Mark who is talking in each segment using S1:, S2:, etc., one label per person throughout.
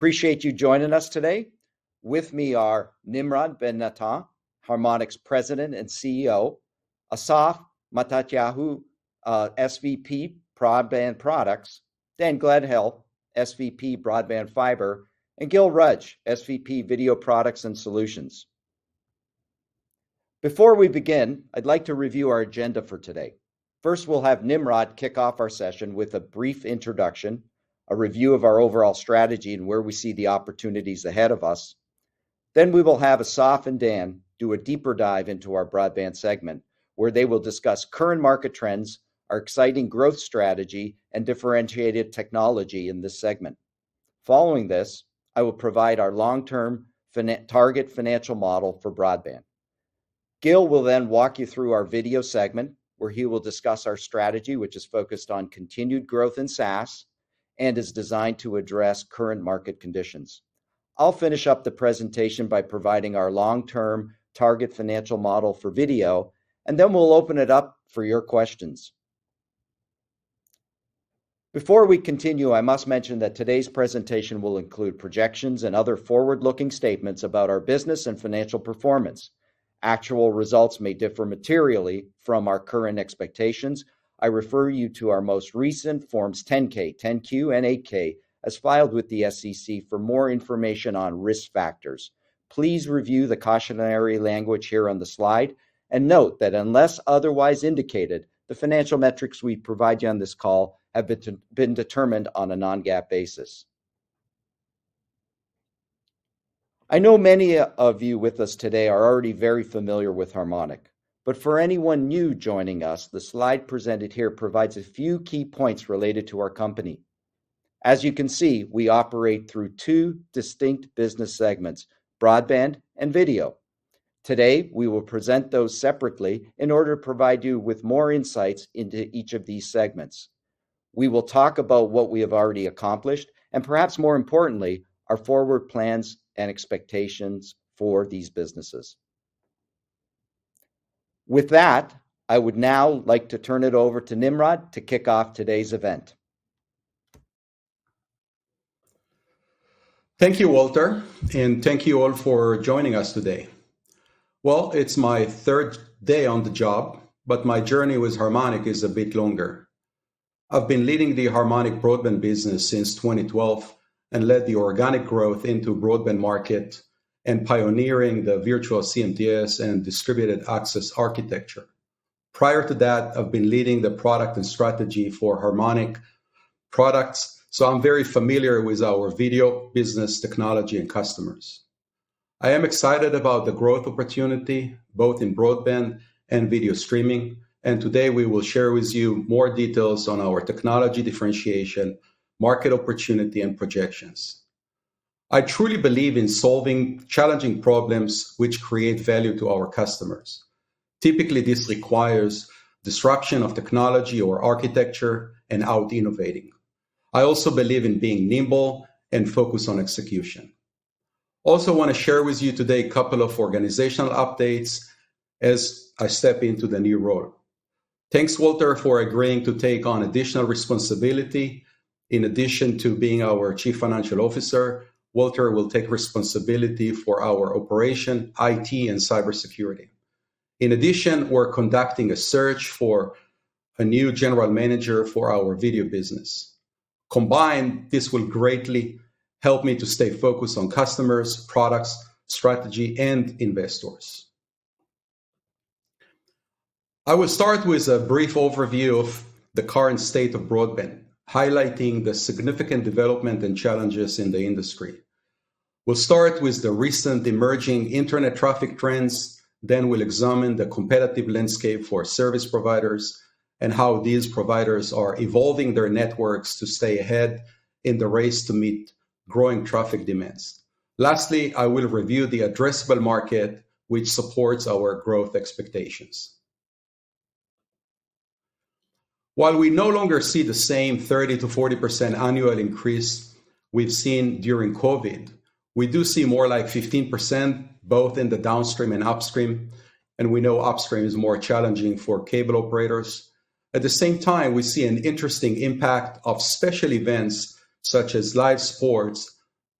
S1: Appreciate you joining us today. With me are Nimrod Ben-Natan, Harmonic's President and CEO, Asaf Matatyaou, SVP Broadband Products, Dan Gledhill, SVP Broadband Fiber, and Gil Rudge, SVP Video Products and Solutions. Before we begin, I'd like to review our agenda for today. First, we'll have Nimrod kick off our session with a brief introduction, a review of our overall strategy and where we see the opportunities ahead of us. Then we will have Asaf and Dan do a deeper dive into our broadband segment where they will discuss current market trends, our exciting growth strategy and differentiated technology in this segment. Following this, I will provide our long term target financial model for broadband. Gil will then walk you through our video segment where he will discuss our strategy which is focused on continued growth in SaaS and is designed to address current market conditions. I'll finish up the presentation by providing our long term target financial model for video and then we'll open it up for your questions. Before we continue, I must mention that today's presentation will include projections and other forward looking statements about our business and financial performance. Actual results may differ materially from our current expectations and I refer you to our most recent forms 10-K, 10-Q, and 8-K as filed with the SEC. For more information on risk factors, please review the cautionary language here on the slide. Note that unless otherwise indicated, the financial metrics we provide you on this call have been determined on a non-GAAP basis. I know many of you with us today are already very familiar with Harmonic, but for anyone new joining us, the slide presented here provides a few key points related to our company. As you can see, we operate through two distinct business segments, Broadband and Video. Today we will present those separately in order to provide you with more insights into each of these segments. We will talk about what we have already accomplished and perhaps more importantly, our forward plans and expectations for these businesses. With that, I would now like to turn it over to Nimrod to kick off today's event.
S2: Thank you, Walter, and thank you all for joining us today. Well, it's my third day on the job, but my journey with Harmonic is a bit longer. I've been leading the Harmonic broadband business since 2012 and led the organic growth into broadband market and pioneering the virtual vCMTS and distributed access architecture. Prior to that, I've been leading the product and strategy for Harmonic products. So I'm very familiar with our video business, technology and customers. I am excited about the growth opportunity both in broadband and video streaming and today we will share with you more details on our technology differentiation, market opportunity and projections. I truly believe in solving challenging problems which create value to our customers. Typically this requires disruption of technology or architecture and out innovating. I also believe in being nimble and focused on execution. Also want to share with you today a couple of organizational updates as I step into the new role. Thanks Walter for agreeing to take on additional responsibility. In addition to being our Chief Financial Officer, Walter will take responsibility for our operation, IT and cybersecurity. In addition, we're conducting a search for a new General Manager for our video business. Combined, this will greatly help me to stay focused on customers, products, strategy and investors. I will start with a brief overview of the current state of broadband, highlighting the significant development and challenges in the industry. We'll start with the recent emerging Internet traffic trends. Then we'll examine the competitive landscape for service providers and how these providers are evolving their networks to stay ahead in the race to meet growing traffic demands. Lastly, I will review the addressable market which supports our growth expectations. While we no longer see the same 30%-40% annual increase we've seen during COVID, we do see more like 15% both in the downstream and upstream. We know upstream is more challenging for cable operators. At the same time, we see an interesting impact of special events such as live sports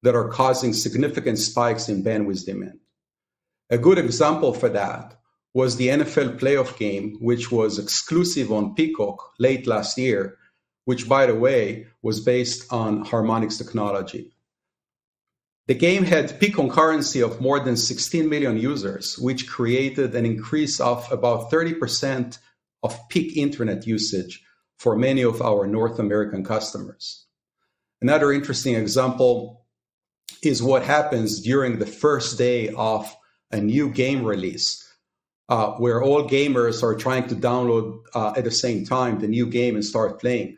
S2: that are causing significant spikes in bandwidth demand. A good example for that was the NFL playoff game which was exclusive on Peacock late last year, which by the way was based on Harmonic technology. The game had peak concurrency of more than 16 million users, which created an increase of about 30% of peak Internet usage for many of our North American customers. Another interesting example is what happens during the first day of a new game release where all gamers are trying to download at the same time the new game and start playing.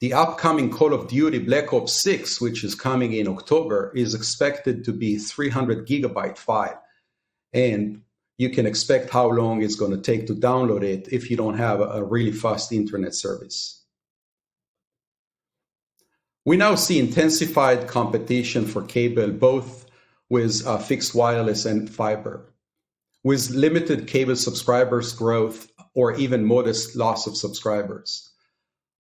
S2: The upcoming Call of Duty: Black Ops 6, which is coming in October, is expected to be 300 GB file and you can expect how long it's going to take to download it if you don't have a really fast internet service. We now see intensified competition for cable both with fixed wireless and fiber. With limited cable subscriber growth or even modest loss of subscribers.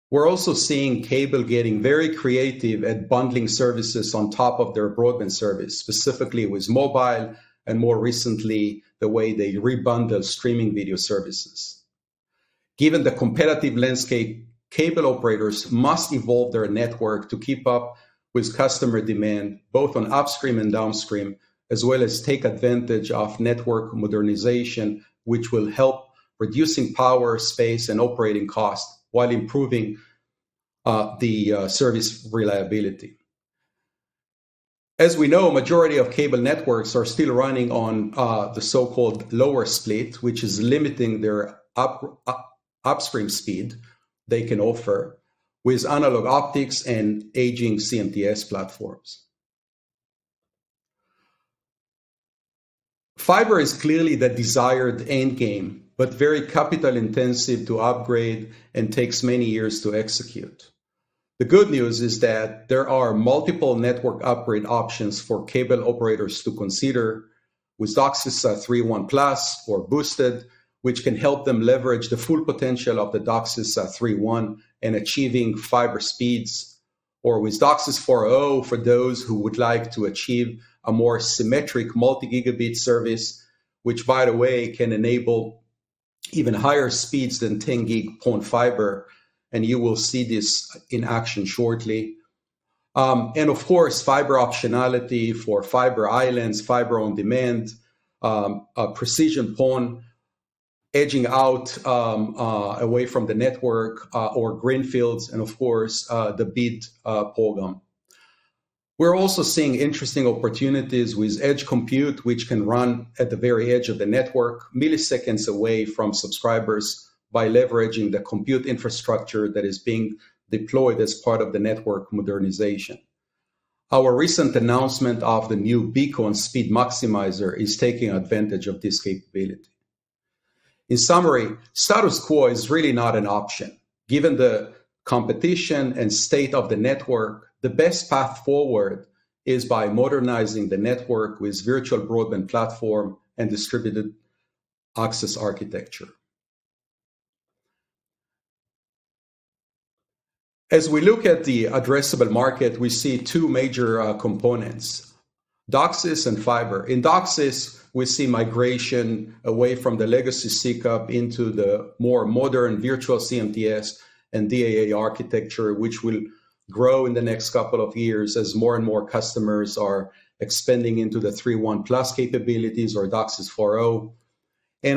S2: We're also seeing cable getting very creative at bundling services on top of their broadband service, specifically with mobile and more recently the way they rebundle streaming video services. Given the competitive landscape, cable operators must evolve their network to keep up with customer demand both on upstream and downstream, as well as take advantage of network modernization which will help reduce power, space and operating cost while improving the service reliability. As we know, majority of cable networks are still running on the so-called lower split, which is limiting their upstream speed they can offer with analog optics and aging CMTS platforms. Fiber is clearly the desired end game, but very capital intensive to upgrade and takes many years to execute. The good news is that there are multiple network upgrade options for cable operators to consider with DOCSIS 3.1 or Boosted, which can help them leverage the full potential of the DOCSIS 3.1 and achieving fiber speeds. Or with DOCSIS 4.0 for those who would like to achieve a more symmetric multi-gigabit service, which by the way can enable even higher speeds than 10 gig PON fiber, and you will see this in action shortly. Of course, fiber optionality for fiber islands, fiber on demand, precision PON edging out away from the network or greenfields, and of course the BEAD program. We're also seeing interesting opportunities with Edge Compute, which can run at the very edge of the network, milliseconds away from subscribers by leveraging the compute infrastructure that is being deployed as part of the network modernization. Our recent announcement of the new Beacon Speed Maximizer is taking advantage of this capability. In summary, status quo is really not an option given the competition and state of the network. The best path forward is by modernizing the network with virtual broadband platform and distributed access architecture. As we look at the addressable market, we see two major components, DOCSIS and fiber. In DOCSIS, we see migration away from the legacy CCAP into the more modern virtual CMTS and DAA architecture, which will grow in the next couple of years as more and more customers are expanding into the 3.1 capabilities or DOCSIS 4.0.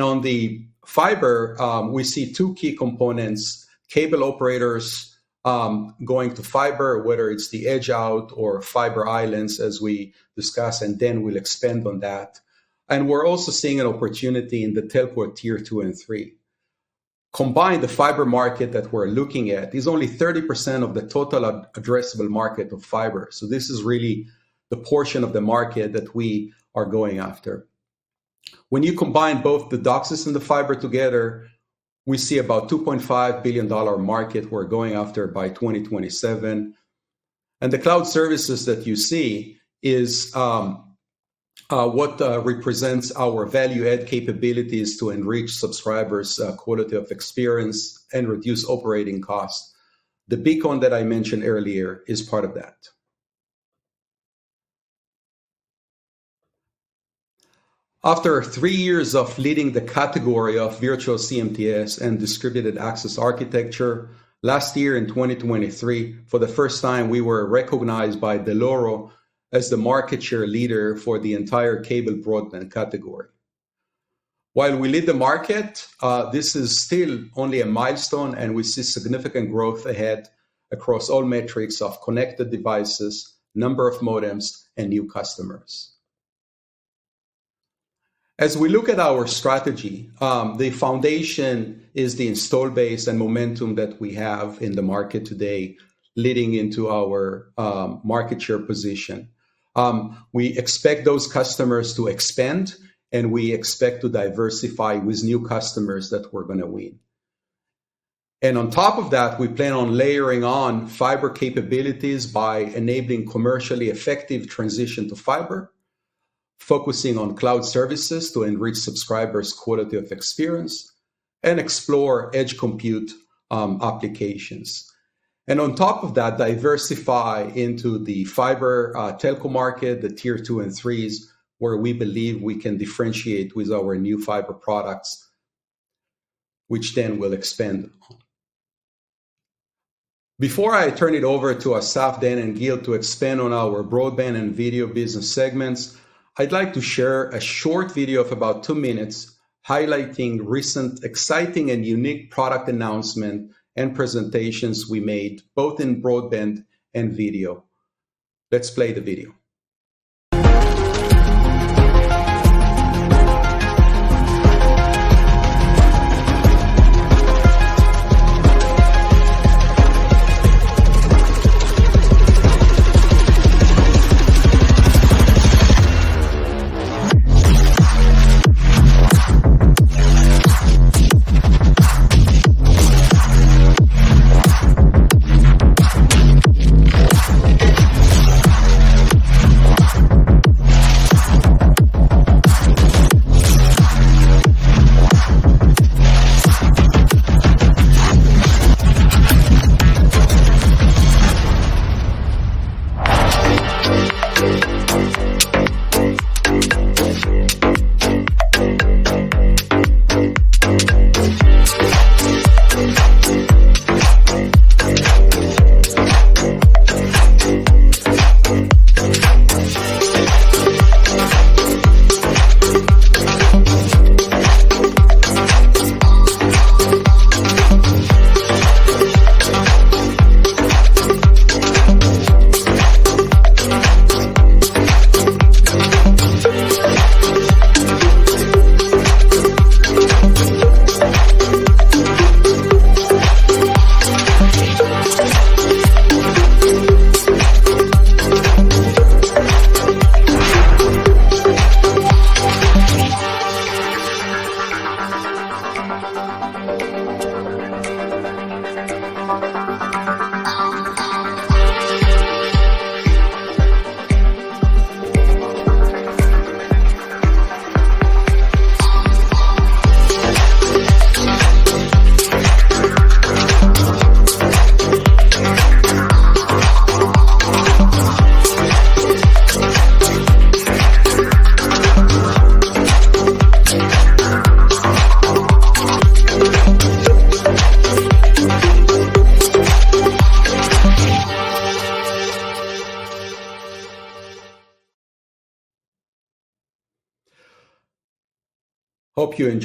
S2: On the fiber, we see two key components: cable operators going to fiber whether it's the edge out or fiber islands, as we discuss, and then we'll expand on that. We're also seeing an opportunity in the telco tier two and three combined. The fiber market that we're looking at is only 30% of the total addressable market of fiber. So this is really the portion of the market that we are going after. When you combine both the DOCSIS and the fiber together, we see about $2.5 billion market we're going after by 2027, and the cloud services that you see is what represents our value add capabilities to enrich subscribers, quality of experience and reduce operating cost. The beacon that I mentioned earlier is part of that. After three years of leading the category of virtual CMTS and Distributed Access architecture, last year in 2023 for the first time we were recognized by Dell'Oro as the market share leader for the entire cable broadband category. While we lead the market, this is still only a milestone and we see significant growth ahead across all metrics of connected devices, number of modems and new customers as we look at our strategy. The foundation is the install base and momentum that we have in the market today leading into our market share position. We expect those customers to expand and we expect to diversify with new customers that we're going to win. And on top of that we plan on layering on fiber capabilities by enabling commercially effective transition to fiber, focusing on cloud services to enrich subscriber's quality of experience and explore edge compute applications and on top of that, diversify into the fiber telco market, the tier two and threes where we believe we can differentiate with our new fiber products which Dan will expand. Before I turn it over to Asaf, Dan and Gil to expand on our broadband and video business segments, I'd like to share a short video of about two minutes highlighting recent exciting and unique product announcement and presentations we made both in broadband and video. Let's play the video.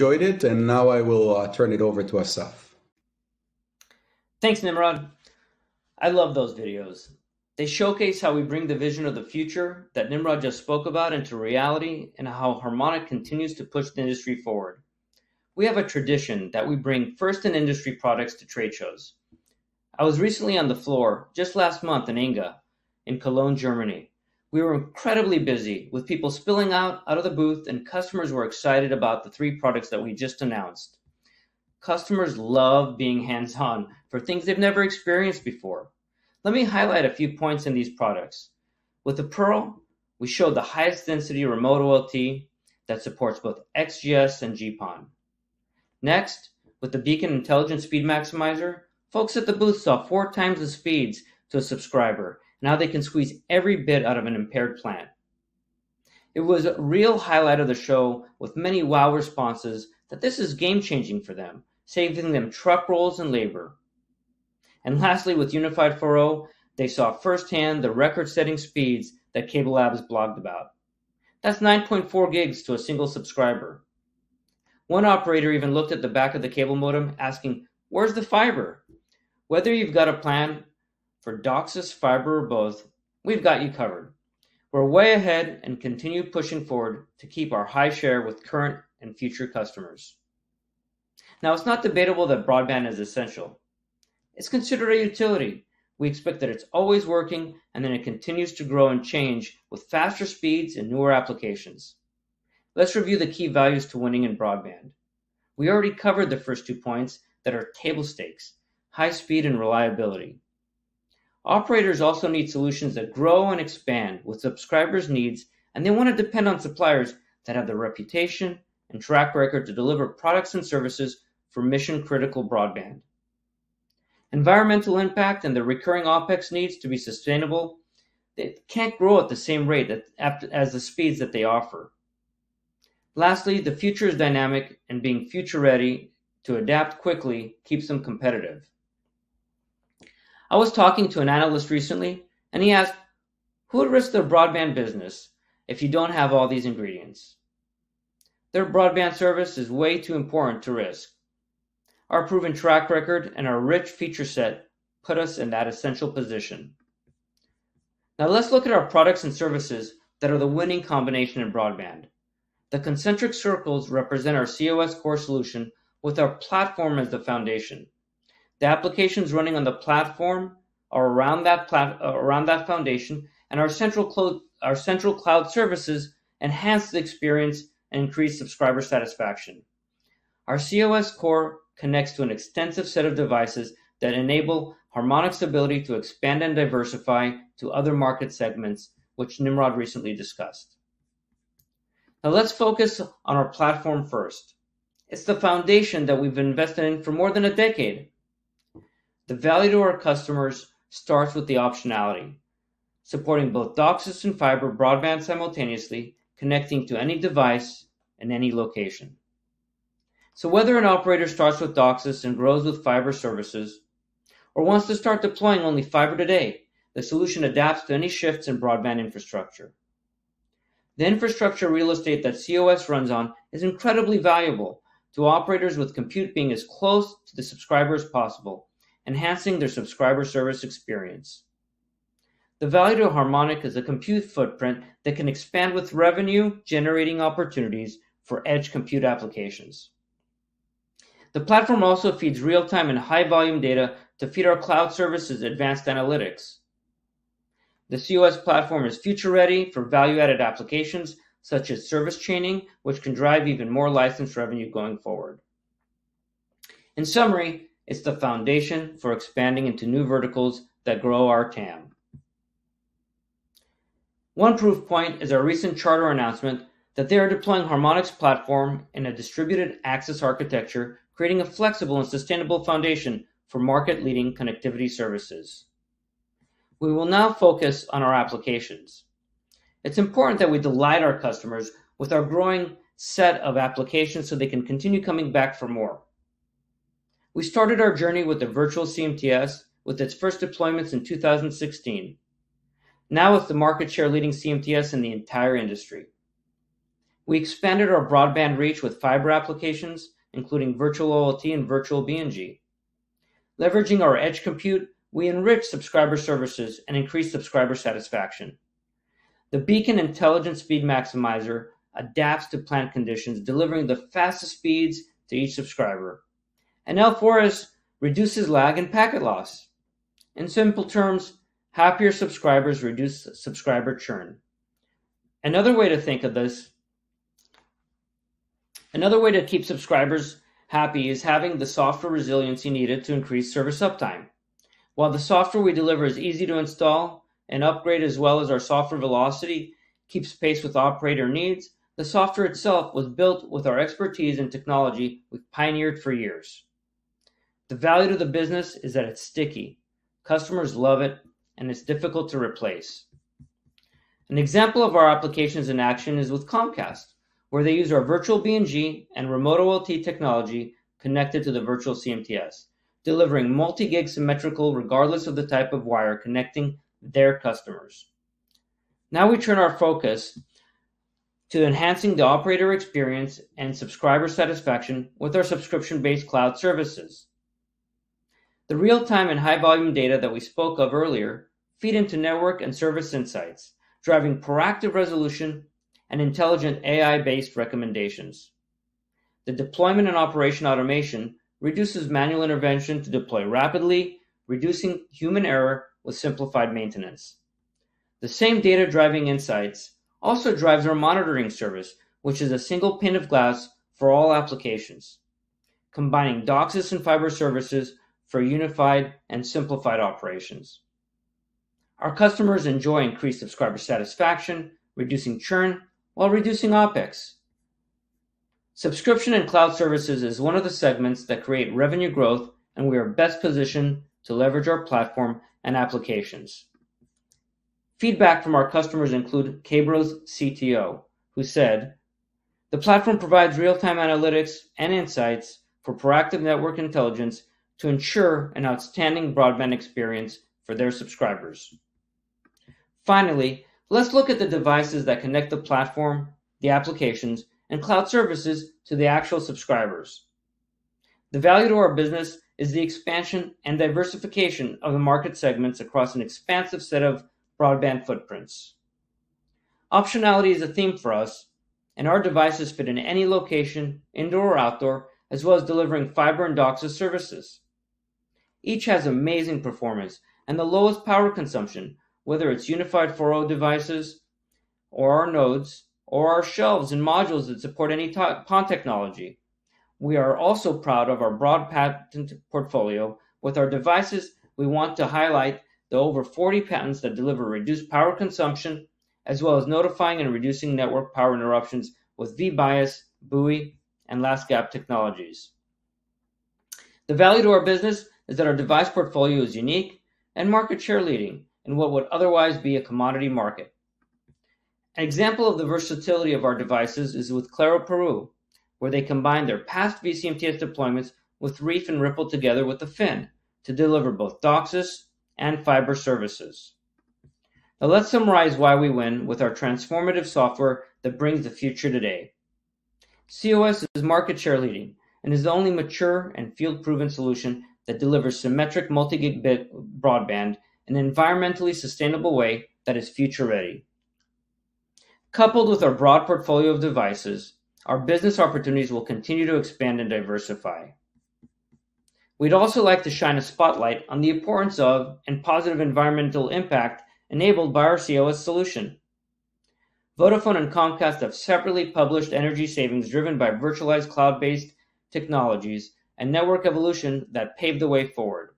S2: Hope you enjoyed it. Now I will turn it over to Asaf.
S3: Thanks Nimrod. I love those videos. They showcase how we bring the vision of the future that Nimrod just spoke about into reality and how Harmonic continues to push the industry forward. We have a tradition that we bring first in industry products to trade shows. I was recently on the floor just last month in ANGA COM in Cologne, Germany. We were incredibly busy with people spilling out of the booth and customers were excited about the three products that we just announced. Customers love being hands on for things they've never experienced before. Let me highlight a few points in these products. With the Pearl we showed the highest density remote OLT that supports both XGS and GPON. Next with the Beacon Intelligent Speed Maximizer, folks at the booth saw four times the speeds to a subscriber. Now they can squeeze every bit out of an impaired plant. It was a real highlight of the show with many wow responses that this is game changing for them, saving them truck rolls and labor. Lastly with unified 4.0 they saw firsthand the record setting speeds that CableLabs blogged about. That's 9.4 gigs to a single subscriber. One operator even looked at the back of the cable modem asking where's the fiber? Whether you've got a plan for DOCSIS fiber or both, we've got you covered. We're way ahead and continue pushing forward to keep our high share with current and future customers. Now it's not debatable that broadband is essential. It's considered a utility. We expect that it's always working and then it continues to grow and change with faster speeds and newer applications. Let's review the key values to winning in broadband. We already covered the first two points that are table stakes. High speed and reliability operators also need solutions that grow and expand with subscribers' needs and they want to depend on suppliers that have the reputation and track record to deliver products and services for mission-critical broadband. Environmental impact and the recurring OpEx needs to be sustainable. Can't grow at the same rate as the speeds that they offer. Lastly, the future is dynamic and being future-ready to adapt quickly keeps them competitive. I was talking to an analyst recently and he asked who would risk their broadband business if you don't have all these ingredients? Their broadband service is way too important to risk. Our proven track record and our rich feature set put us in that essential position. Now let's look at our products and services that are the winning combination in broadband. The concentric circles represent our cOS core solution with our platform as the foundation. The applications running on the platform around that foundation and our central cloud services enhance the experience and increase subscriber satisfaction. Our cOS core connects to an extensive set of devices that enable Harmonic's ability to expand and diversify to other market segments which Nimrod recently discussed. Now let's focus on our platform first. It's the foundation that we've invested in for more than a decade. The value to our customers starts with the optionality supporting both DOCSIS and fiber broadband simultaneously connecting to any device in any location. So whether an operator starts with DOCSIS and grows with fiber services or wants to start deploying only fiber today, the solution adapts to any shifts in broadband infrastructure. The infrastructure real estate that cOS runs on is incredibly valuable to operators with compute being as close to the subscriber as possible, enhancing their subscriber service experience. The value to Harmonic is a compute footprint that can expand with revenue generating opportunities for edge compute applications. The platform also feeds real time and high volume data to feed our cloud services advanced analytics. The cOS platform is future ready for value added applications such as service chaining which can drive even more license revenue going forward. In summary, it's the foundation for expanding into new verticals that grow our tam. One proof point is our recent Charter announcement that they are deploying Harmonic's platform in a distributed access architecture, creating a flexible and sustainable foundation for market leading connectivity services. We will now focus on our applications. It's important that we delight our customers with our growing set of applications so they can continue coming back for more. We started our journey with a virtual CMTS with its first deployments in 2016. Now, with the market share leading CMTS in the entire industry, we expanded our broadband reach with fiber applications including Virtual OLT and Virtual BNG. Leveraging our edge compute, we enrich subscriber services and increase subscriber satisfaction. The Beacon Intelligent Speed Maximizer adapts to plant conditions. Delivering the fastest speeds to each subscriber and L4S reduces lag and packet loss. In simple terms, happier subscribers reduce subscriber churn. Another way to think of this another way to keep subscribers happy is having the software resiliency needed to increase service uptime. While the software we deliver is easy to install and upgrade as well as our software Velocity keeps pace with operator needs. The software itself was built with our expertise and technology we pioneered for years. The value to the business is that it's sticky, customers love it and it's difficult to replace. An example of our applications in action is with Comcast where they use our virtual BNG and remote OLT technology connected to the virtual CMTS delivering multi gig symmetrical regardless of the type of wire connecting their customers. Now we turn our focus to enhancing the operator experience and subscriber satisfaction with our subscription based cloud services. The real time and high volume data that we spoke of earlier feed into network and service insights driving proactive resolution and intelligent AI based recommendations. The deployment and operation automation reduces manual intervention to deploy rapidly, reducing human error with simplified maintenance. The same data driving Insights also drives our monitoring service which is a single pane of glass for all applications combining DOCSIS and fiber services for unified and simplified operations. Our customers enjoy increased subscriber satisfaction. Reducing churn while reducing OpEx subscription and cloud services is one of the segments that create revenue growth and we are best positioned to leverage our platform and applications. Feedback from our customers include Charter's CTO who said the platform provides real time analytics and insights for proactive network intelligence to ensure an outstanding broadband experience for their subscribers. Finally, let's look at the devices that connect the platform, the applications and cloud services to the actual subscribers. The value to our business is the expansion and diversification of the market segments across an expansive set of broadband footprints. Optionality is a theme for us and our devices fit in any location, indoor or outdoor, as well as delivering fiber and DOCSIS services. Each has amazing performance and the lowest power consumption, whether it's unified 4.0 devices or our nodes or our shelves and modules that support any PON technology. We are also proud of our broad patent portfolio with our devices. We want to highlight the over 40 patents that deliver reduced power consumption as well as notifying and reducing network power interruptions with VBIAs buoy and Dying Gasp technologies. The value to our business is that our device portfolio is unique and market share leading in what would otherwise be a commodity market. An example of the versatility of our devices is with Claro Peru where they combine their past vCMTS deployments with Reef and Ripple together with the Fin to deliver both DOCSIS and fiber services. Now let's summarize why we win with our transformative software that brings the future. Today cOS is market share leading and is the only mature and field-proven solution that delivers symmetric multi-gigabit broadband in an environmentally sustainable way that is future-ready. Coupled with our broad portfolio of devices, our business opportunities will continue to expand and diversify. We'd also like to shine a spotlight on the importance of and positive environmental impact enabled by our cOS solution. Vodafone and Comcast have separately published energy savings driven by virtualized cloud-based technologies and network evolution that paved the way forward.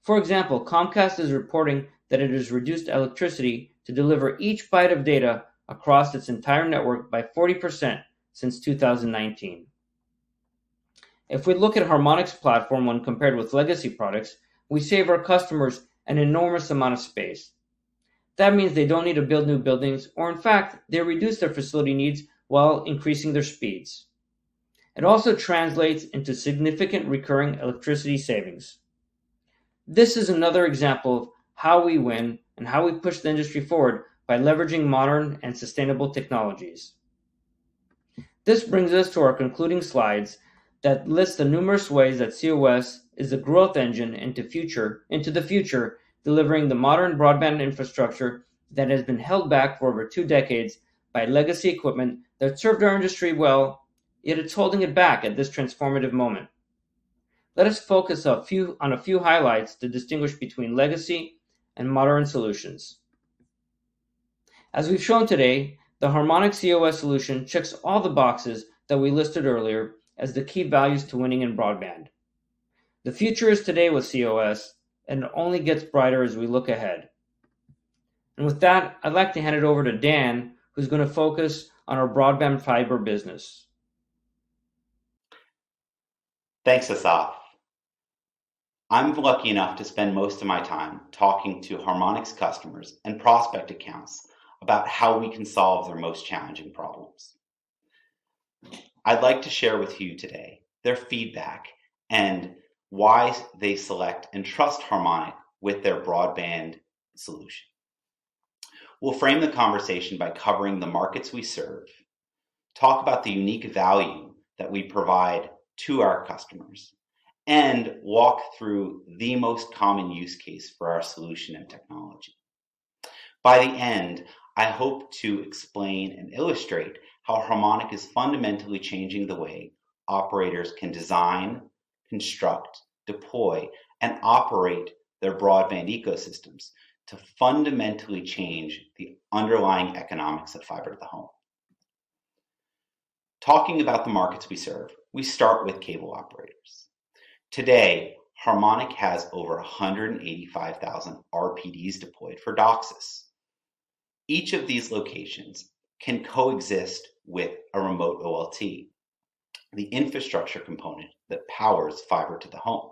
S3: For example, Comcast is reporting that it has reduced electricity to deliver each byte of data across its entire network by 40% since 2019. If we look at Harmonic's platform when compared with legacy products, we save our customers an enormous amount of space. That means they don't need to build new buildings or in fact they reduce their facility needs while increasing their speeds. It also translates into significant recurring electricity savings. This is another example of how we win and how we push the industry forward by leveraging modern and sustainable technologies. This brings us to our concluding slides that lists the numerous ways that cOS is a growth engine into the future, delivering the modern broadband infrastructure that has been held back for over two decades by legacy equipment that served our industry well, yet it's holding it back. At this transformative moment, let us focus on a few highlights to distinguish between legacy and modern solutions. As we've shown today, the Harmonic cOS solution checks all the boxes that we listed earlier as the key values to winning in broadband. The future is today with cOS and only gets brighter as we look ahead. With that I'd like to hand it over to Dan who's going to focus on our broadband fiber business.
S4: Thanks, Asaf. I'm lucky enough to spend most of my time talking to Harmonic customers and prospect accounts about how we can solve their most challenging problems. I'd like to share with you today their feedback and why they select and trust Harmonic with their broadband solution. We'll frame the conversation by covering the markets we serve, talk about the unique value that we provide to our customers, and walk through the most common use case for our solution and technology. By the end, I hope to explain and illustrate how Harmonic is fundamentally changing the way operators can design, construct, deploy and operate their broadband ecosystems to fundamentally change the underlying economics of fiber to the home. Talking about the markets we serve, we start with cable operators. Today Harmonic has over 185,000 RPDs deployed for DOCSIS. Each of these locations can coexist with a remote OLT, the infrastructure component that powers fiber to the home.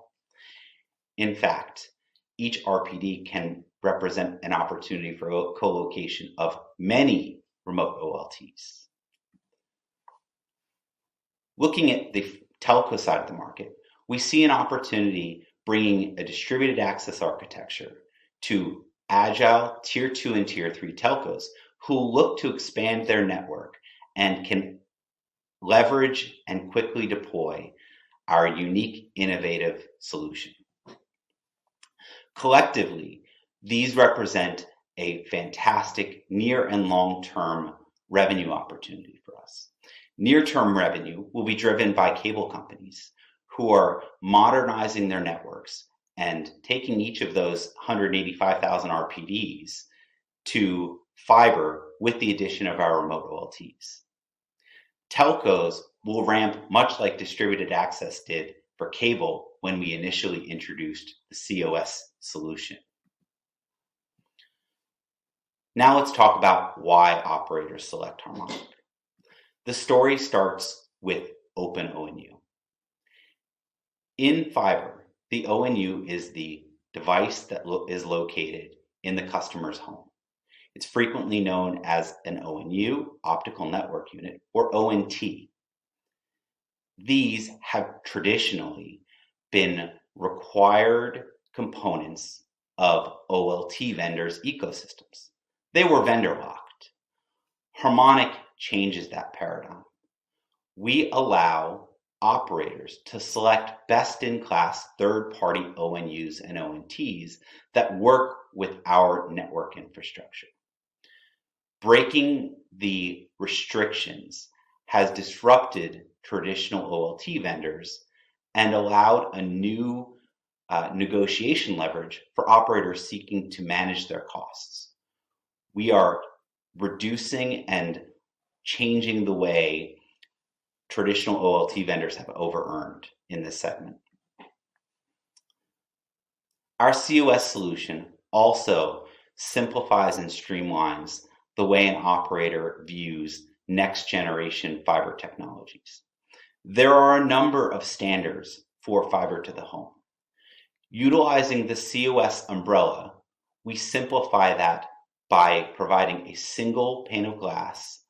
S4: In fact, each RPD can represent an opportunity for colocation of many remote OLTs. Looking at the telco side of the market, we see an opportunity bringing a distributed access architecture to agile tier two and tier three telcos who look to expand their network and can leverage and quickly deploy our unique innovative solution. Collectively, these represent a fantastic near- and long-term revenue opportunity for us. Near-term revenue will be driven by cable companies who are modernizing their networks and taking each of those 185,000 RPDs to fiber. With the addition of our remote OLTs, telcos will ramp much like distributed access did for cable when we initially introduced the cOS solution. Now let's talk about why operators select Harmonic. The story starts with open ONU in fiber. The ONU is the device that is located in the customer's home. It's frequently known as an ONU optical network unit or ONT. These have traditionally been required components of OLT vendors' ecosystems. They were vendor locked. Harmonic changes that paradigm. We allow operators to select best-in-class third-party ONUs and ONTs that work with our network infrastructure. Breaking the restrictions has disrupted traditional OLT vendors and allowed a new negotiation leverage for operators seeking to manage their costs. We are reducing and changing the way traditional OLT vendors have over-earned in this segment. Our cOS solution also simplifies and streamlines the way an operator views next-generation fiber technologies. There are a number of standards for fiber to the home. Utilizing the cOS umbrella. We simplify that by providing a single pane of glass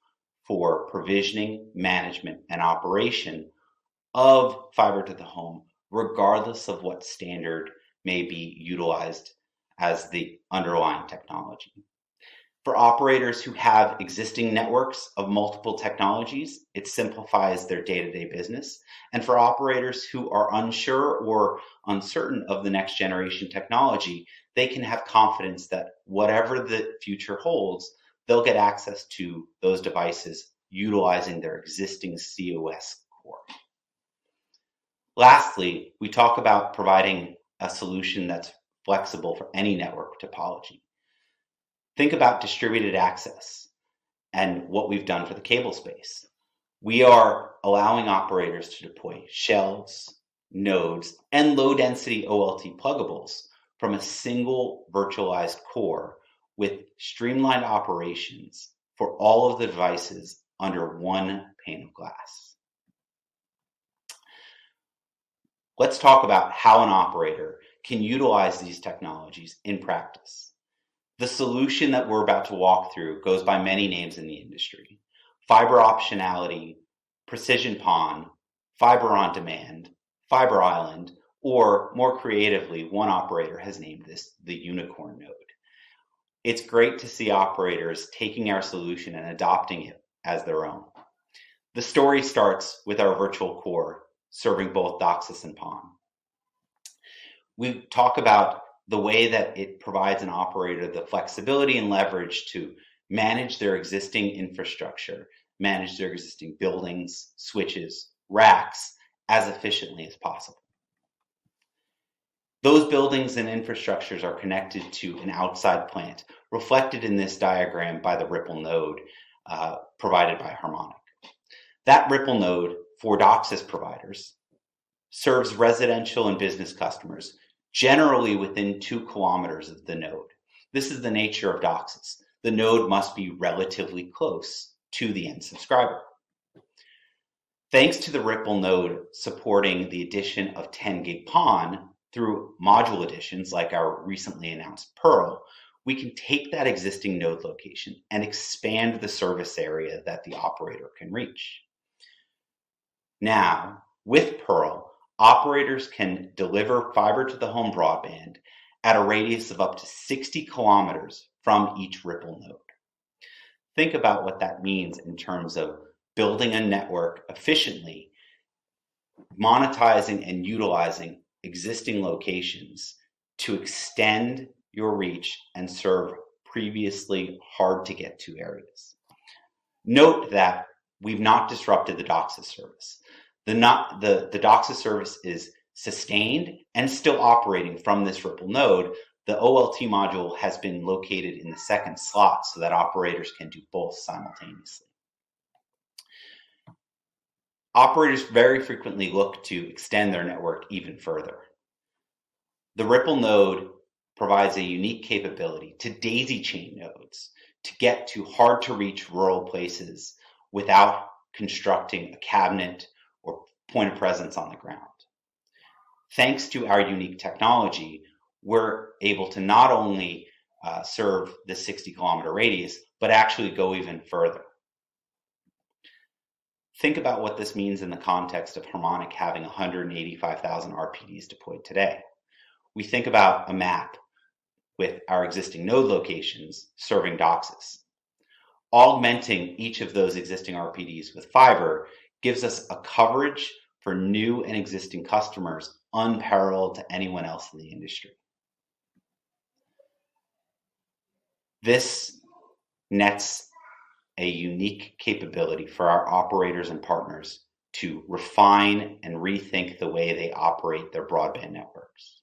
S4: for provisioning, management and operation of fiber to the home, regardless of what standard may be utilized, the underlying technology. For operators who have existing networks of multiple technologies, it simplifies their day-to-day business and for operators who are unsure or uncertain of the next generation technology. They can have confidence that whatever the future holds, they'll get access to those devices utilizing their existing cOS core. Lastly, we talk about providing a solution that's flexible for any network topology. Think about distributed access and what we've done for the cable space. We are allowing operators to deploy shelves, nodes and low density OLT pluggables from a single virtualized core with streamlined operations for all of the devices under one pane of glass. Let's talk about how an operator can utilize these technologies in practice. The solution that we're about to walk through goes by many names in the industry. Fiber, Optionality, Precision, PON, Fiber On Demand, Fiber island, or more creatively, one operator has named this the Unicorn Node. It's great to see operators taking our solution and adopting it as their own. The story starts with our virtual core serving both DOCSIS and PON. We talk about the way that it provides an operator the flexibility and leverage to manage their existing infrastructure manage their existing buildings, switches, racks as efficiently as possible. Those buildings and infrastructures are connected to an outside plant, reflected in this diagram by the Ripple Node provided by Harmonic. That Ripple node for DOCSIS providers serves residential and business customers generally within 2 km of the node. This is the nature of DOCSIS. The node must be relatively close to the end subscriber thanks to the Ripple node supporting the addition of 10-gig PON. Through module additions like our recently announced Pearl, we can take that existing node location and expand the service area that the operator can reach. Now, with Pearl, operators can deliver fiber to the home broadband at a radius of up to 60 km from each Ripple node. Think about what that means in terms of building a network, efficiently monetizing and utilizing existing locations to extend your reach and serve previously hard to get to areas. Note that we've not disrupted the DOCSIS service. The DOCSIS service is sustained and still operating from this Ripple node. The OLT module has been located in the second slot so that operators can do both simultaneously. Operators very frequently look to extend their network even further. The Ripple node provides a unique capability to daisy chain nodes to get to hard to reach rural places without constructing a cabinet or point of presence on the ground. Thanks to our unique technology, we're able to not only serve the 60 km radius, but actually go even further. Think about what this means in the context of Harmonic having 185,000 RPDs deployed today. We think about a map with our existing node locations serving DOCSIS. Augmenting each of those existing RPDs with fiber gives us a coverage for new and existing customers unparalleled to anyone else in the industry. This nets a unique capability for our operators and partners to refine and rethink the way they operate their broadband networks.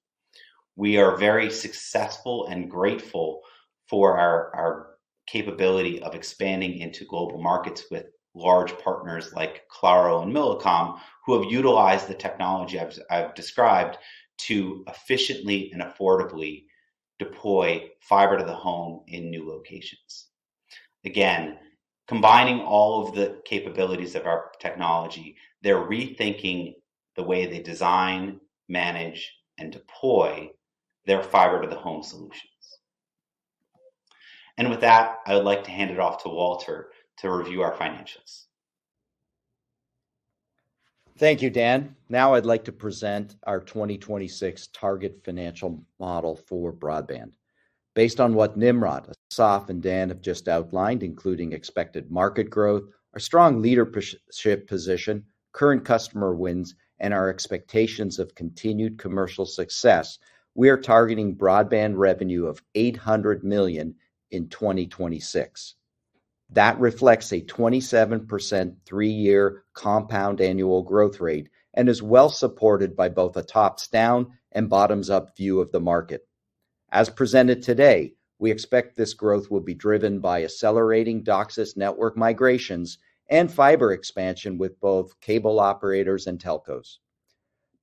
S4: We are very successful and grateful for our capability of expanding into global markets with large partners like Claro and Millicom who have utilized the technology I've described to efficiently and affordably deploy fiber to the home in new locations. Again, combining all of the capabilities of our technology, they're rethinking the way they design, manage and deploy their fiber to the home solutions. With that I would like to hand it off to Walter to review our financials.
S1: Thank you Dan. Now I'd like to present our 2026 target financial model for broadband based on what Nimrod, Asaf and Dan have just outlined, including expected market growth, our strong leadership position, current customer wins, and our expectations of continued commercial success. We are targeting broadband revenue of $800 million in 2026 that reflects a 27% three-year compound annual growth rate and is well supported by both a top-down and bottom-up view of the market. As presented today. We expect this growth will be driven by accelerating DOCSIS network migrations and fiber expansion with both cable operators and telcos.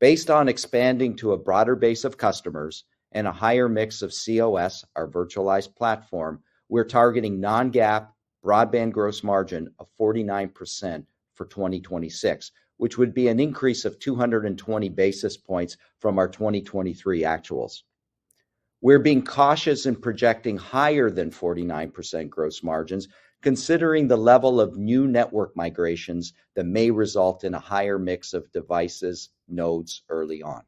S1: Based on expanding to a broader base of customers and a higher mix of cOS our virtualized platform, we're targeting non-GAAP broadband gross margin of 49% for 2026, which would be an increase of 220 basis points from our 2023 actuals. We're being cautious in projecting higher than 49% gross margins considering the level of new network migrations that may result in a higher mix of devices nodes early on.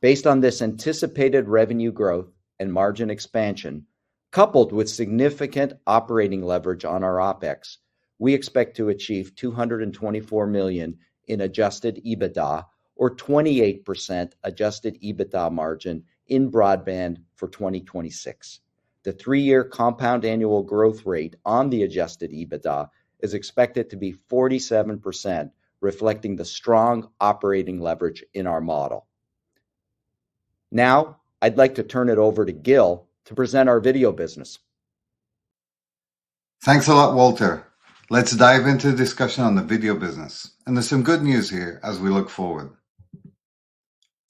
S1: Based on this anticipated revenue growth and margin expansion coupled with significant operating leverage on our OpEx, we expect to achieve $224 million in adjusted EBITDA or 28% adjusted EBITDA margin in broadband for 2026. The three-year compound annual growth rate on the adjusted EBITDA is expected to be 47% reflecting the strong operating leverage in our model. Now I'd like to turn it over to Gil to present our video business.
S5: Thanks a lot, Walter. Let's dive into the discussion on the video business, and there's some good news here as we look forward.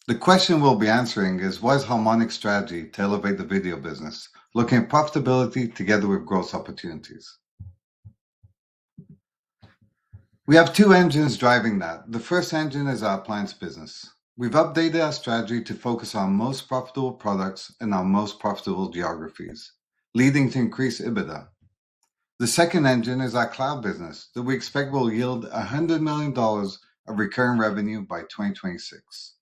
S5: The question we'll be answering is why is Harmonic's strategy to elevate the video business looking at profitability together with growth opportunities? We have two engines driving that. The first engine is our appliance business. We've updated our strategy to focus on our most profitable products and our most profitable geographies, leading to increased EBITDA. The second engine is our cloud business that we expect will yield $100 million of recurring revenue by 2026.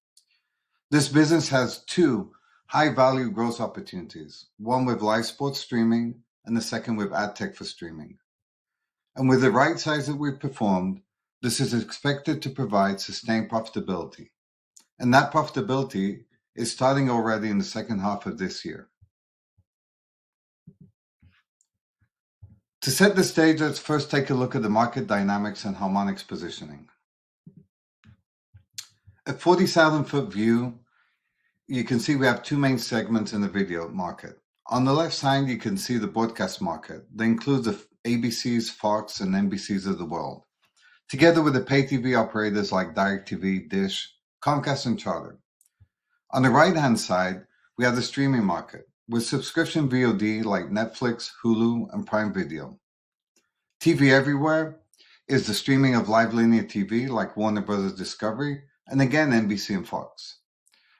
S5: This business has two high-value growth opportunities. One with live sports streaming and the second with AdTech. For streaming and with the right size that we've performed, this is expected to provide sustained profitability. And that profitability is starting already in the second half of this year. To set the stage, let's first take a look at the market dynamics and Harmonic's positioning at a 40,000-foot view. You can see we have two main segments in the video market. On the left side you can see the broadcast market. That includes the ABCs, FOX and NBC's of the world together with the pay TV operators like DirecTV, DISH, Comcast and Charter. On the right hand side we have the streaming market with subscription VOD like Netflix, Hulu and Prime Video. TV Everywhere is the streaming of live linear TV like Warner Bros. Discovery and again NBC and FOX.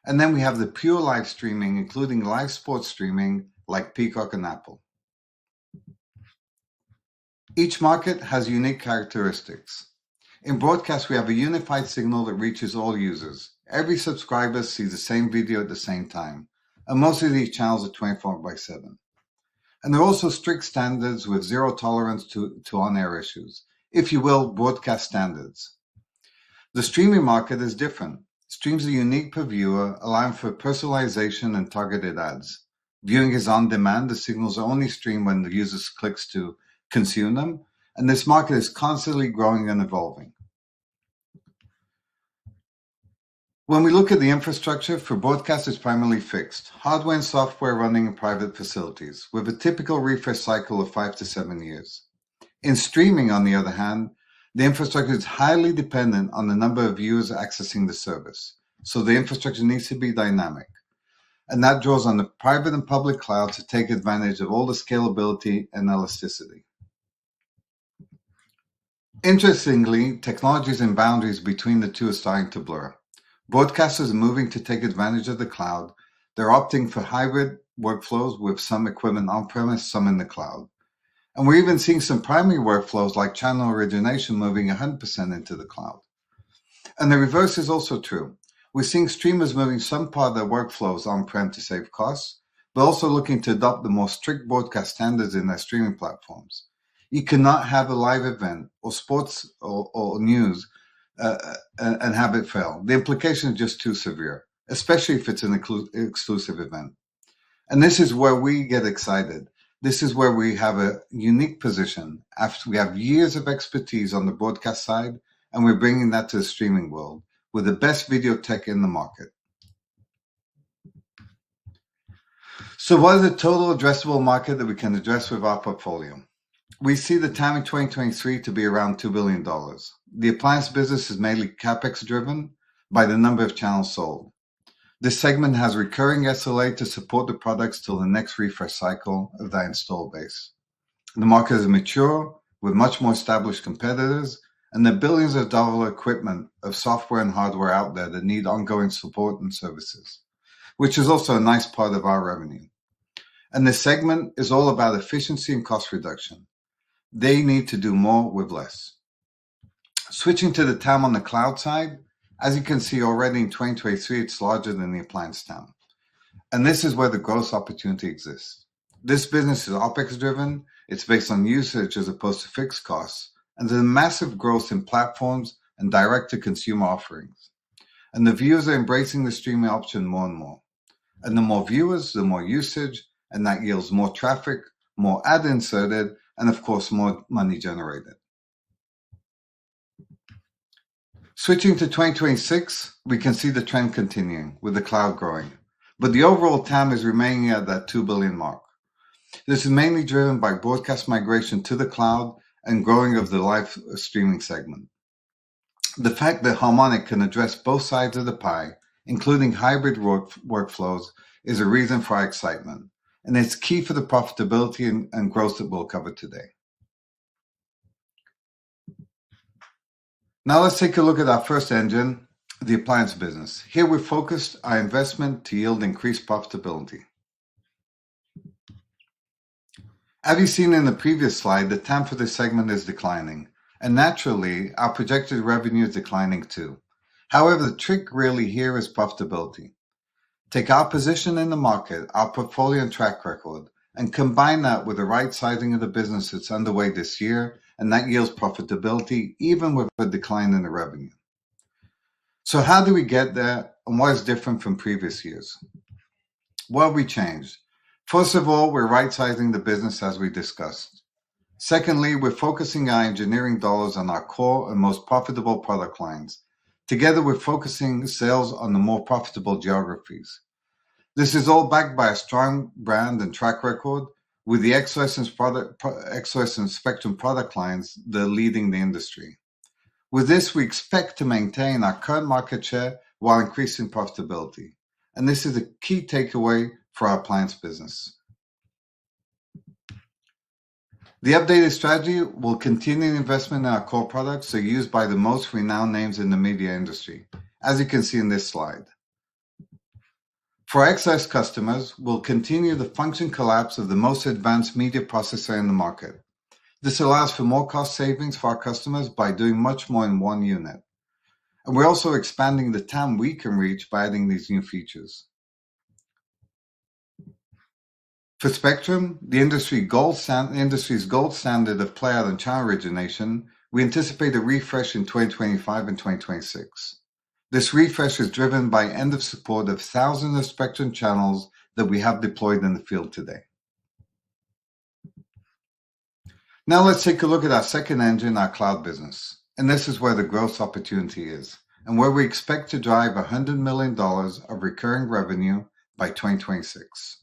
S5: And then we have the pure live streaming including live sports streaming like Peacock and Apple. Each market has unique characteristics. In broadcast we have a unified signal that reaches all users. Every subscriber sees the same video at the same time. Most of these channels are 24/7. There are also strict standards with zero tolerance to on-air issues, if you will, broadcast standards. The streaming market is different. Streams are unique per viewer, allowing for personalization and targeted ads. Viewing is on demand. The signals are only streamed when the user clicks to consume them. This market is constantly growing and evolving. When we look at the infrastructure for broadcast, it's primarily fixed hardware and software running in private facilities with a typical refresh cycle of five-seven years. In streaming, on the other hand, the infrastructure is highly dependent on the number of viewers accessing the service. So the infrastructure needs to be dynamic and that draws on the private and public cloud to take advantage of all the scalability and elasticity. Interestingly, technologies and boundaries between the two are starting to blur. Broadcasters are moving to take advantage of the cloud. They're opting for hybrid workflows with some equipment on premise, some in the cloud. We're even seeing some primary workflows like channel origination moving 100% into the cloud. The reverse is also true. We're seeing streamers moving some part of their workflows on prem to save costs, but also looking to adopt the most strict broadcast standards in their streaming platforms. You cannot have a live event or sports or news and have it fail, the implications just too severe, especially if it's an exclusive event. This is where we get excited. This is where we have a unique position after we have years of expertise on the broadcast side and we're bringing that to the streaming world with the best video tech in the market. So what is the total addressable market that we can address with our portfolio? We see the TAM in 2023 to be around $2 billion. The appliance business is mainly CapEx, driven by the number of channels sold. This segment has recurring SLA to support the products till the next refresh cycle of that install base. The market is mature with much more established competitors and the billions of dollars equipment of software and hardware out there that need ongoing support and services, which is also a nice part of our revenue. This segment is all about efficiency and cost reduction. They need to do more with less. Switching to the TAM on the cloud side, as you can see already in 2023, it's larger than the appliance TAM and this is where the growth opportunity exists. This business is OpEx driven. It's based on usage as opposed to fixed costs and the massive growth in platforms and direct to consumer offerings. The viewers are embracing the streaming option more and more and the more viewers, the more usage and that yields more traffic, more ad inserted and of course more money generated. Switching to 2026, we can see the trend continuing with the cloud growing, but the overall TAM is remaining at that $2 billion mark. This is mainly driven by broadcast migration to the cloud and growing of the live streaming segment. The fact that Harmonic can address both sides of the piece, including hybrid workflows, is a reason for our excitement and it's key for the profitability and growth that we'll cover today. Now let's take a look at our first engine, the appliance business. Here we focused our investment to yield increased profitability. As you've seen in the previous slide, the TAM for this segment is declining and naturally our projected revenue is declining too. However, the trick really here is profitability. Take our position in the market, our portfolio and track record and combine that with the right sizing of the business that's underway this year and that yields profitability, even with a decline in the revenue. So how do we get there and what is different from previous years? What have we changed? First of all, we're right sizing the business as we discussed. Secondly, we're focusing our engineering dollars on our core and most profitable product lines, together with focusing sales on the more profitable geographies. This is all backed by a strong brand and track record with the XOS and Spectrum product lines that are leading the industry. With this, we expect to maintain our current market share while increasing profitability, and this is a key takeaway for our appliance business. The updated strategy will continue investment in our core products are used by the most renowned names in the media industry, as you can see in this slide. For XOS customers, we'll continue the function collapse of the most advanced media processor in the market. This allows for more cost savings for our customers by doing much more in one unit. We're also expanding the TAM we can reach by adding these new features for Spectrum, the industry's gold standard of playout and channel origination. We anticipate a refresh in 2025 and 2026. This refresh is driven by end of support of thousands of Spectrum channels that we have deployed in the field today. Now let's take a look at our second engine, our cloud business. This is where the growth opportunity is and where we expect to drive $100 million of recurring revenue by 2026.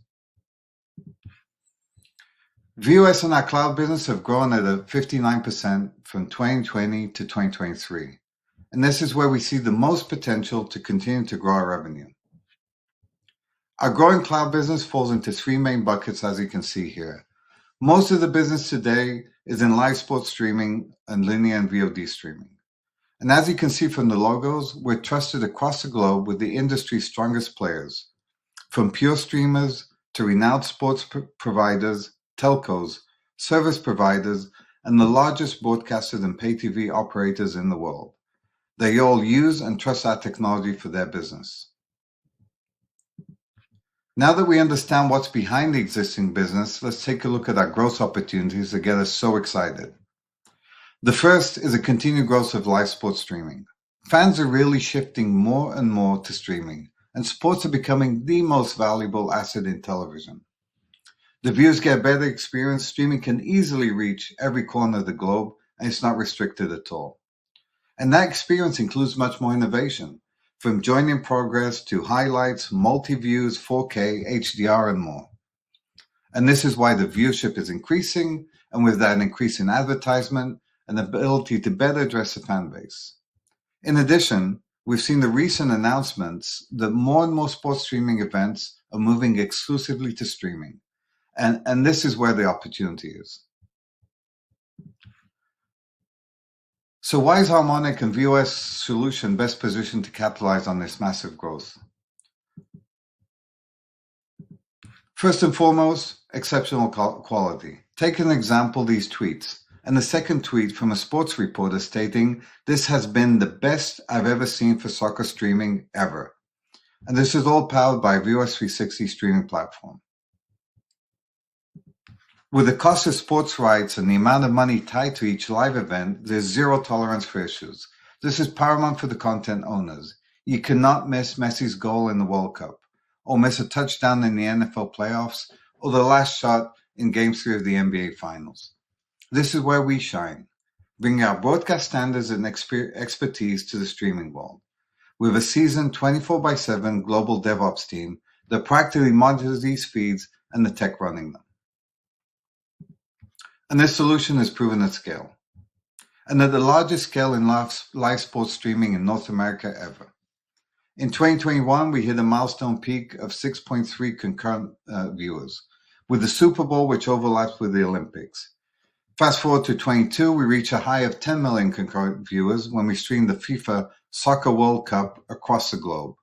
S5: VOS and our cloud business have grown at 59% from 2020 to 2023 and this is where we see the most potential to continue to grow our revenue. Our growing cloud business falls into three main buckets. As you can see here, most of the business today is in live sports streaming and linear and VOD streaming. As you can see from the logos, we're trusted across the globe with the industry's strongest players. From pure streamers to renowned sports providers, telcos, service providers, and the largest broadcasters and pay TV operators in the world, they all use and trust our technology for their business. Now that we understand what's behind the existing business, let's take a look at our growth opportunities that get us so excited. The first is a continued growth of live sports streaming. Fans are really shifting more and more to streaming and sports are becoming the most valuable asset in television. The views get better experience. Streaming can easily reach every corner of the globe and it's not restricted at all. And that experience includes much more innovation from joining progress to highlights, multi views, 4K HDR and more. And this is why the viewership is increasing. And with that increase in advertisement and ability to better address the fan base. In addition, we've seen the recent announcements that more and more sports streaming events are moving exclusively to streaming and this is where the opportunity is. So why is Harmonic and VOS solution best positioned to capitalize on this massive growth? First and foremost, exceptional quality. Take an example, these tweets and the second tweet from a sports reporter stating, this has been the best I've ever seen for soccer streaming ever. And this is all powered by VOS360 streaming platform. With the cost of sports rights and the amount of money tied to each live event, there's zero tolerance for issues. This is paramount for the content owners. You cannot miss Messi's goal in the World Cup or miss a touchdown in the NFL playoffs or the last shot in Game 3 of the NBA Finals. This is where we shine, bringing our broadcast standards and expertise to the streaming world. We have a seasoned 24/7 Global DevOps team that practically monitors these feeds and the tech running them and this solution is proven at scale and at the largest scale in live sports streaming in North America ever. In 2021 we hit a milestone peak of 6.3 concurrent viewers with the Super Bowl which overlaps with the Olympics. Fast forward to 2022. We reach a high of 10 million concurrent viewers when we stream the FIFA Soccer World Cup across the globe.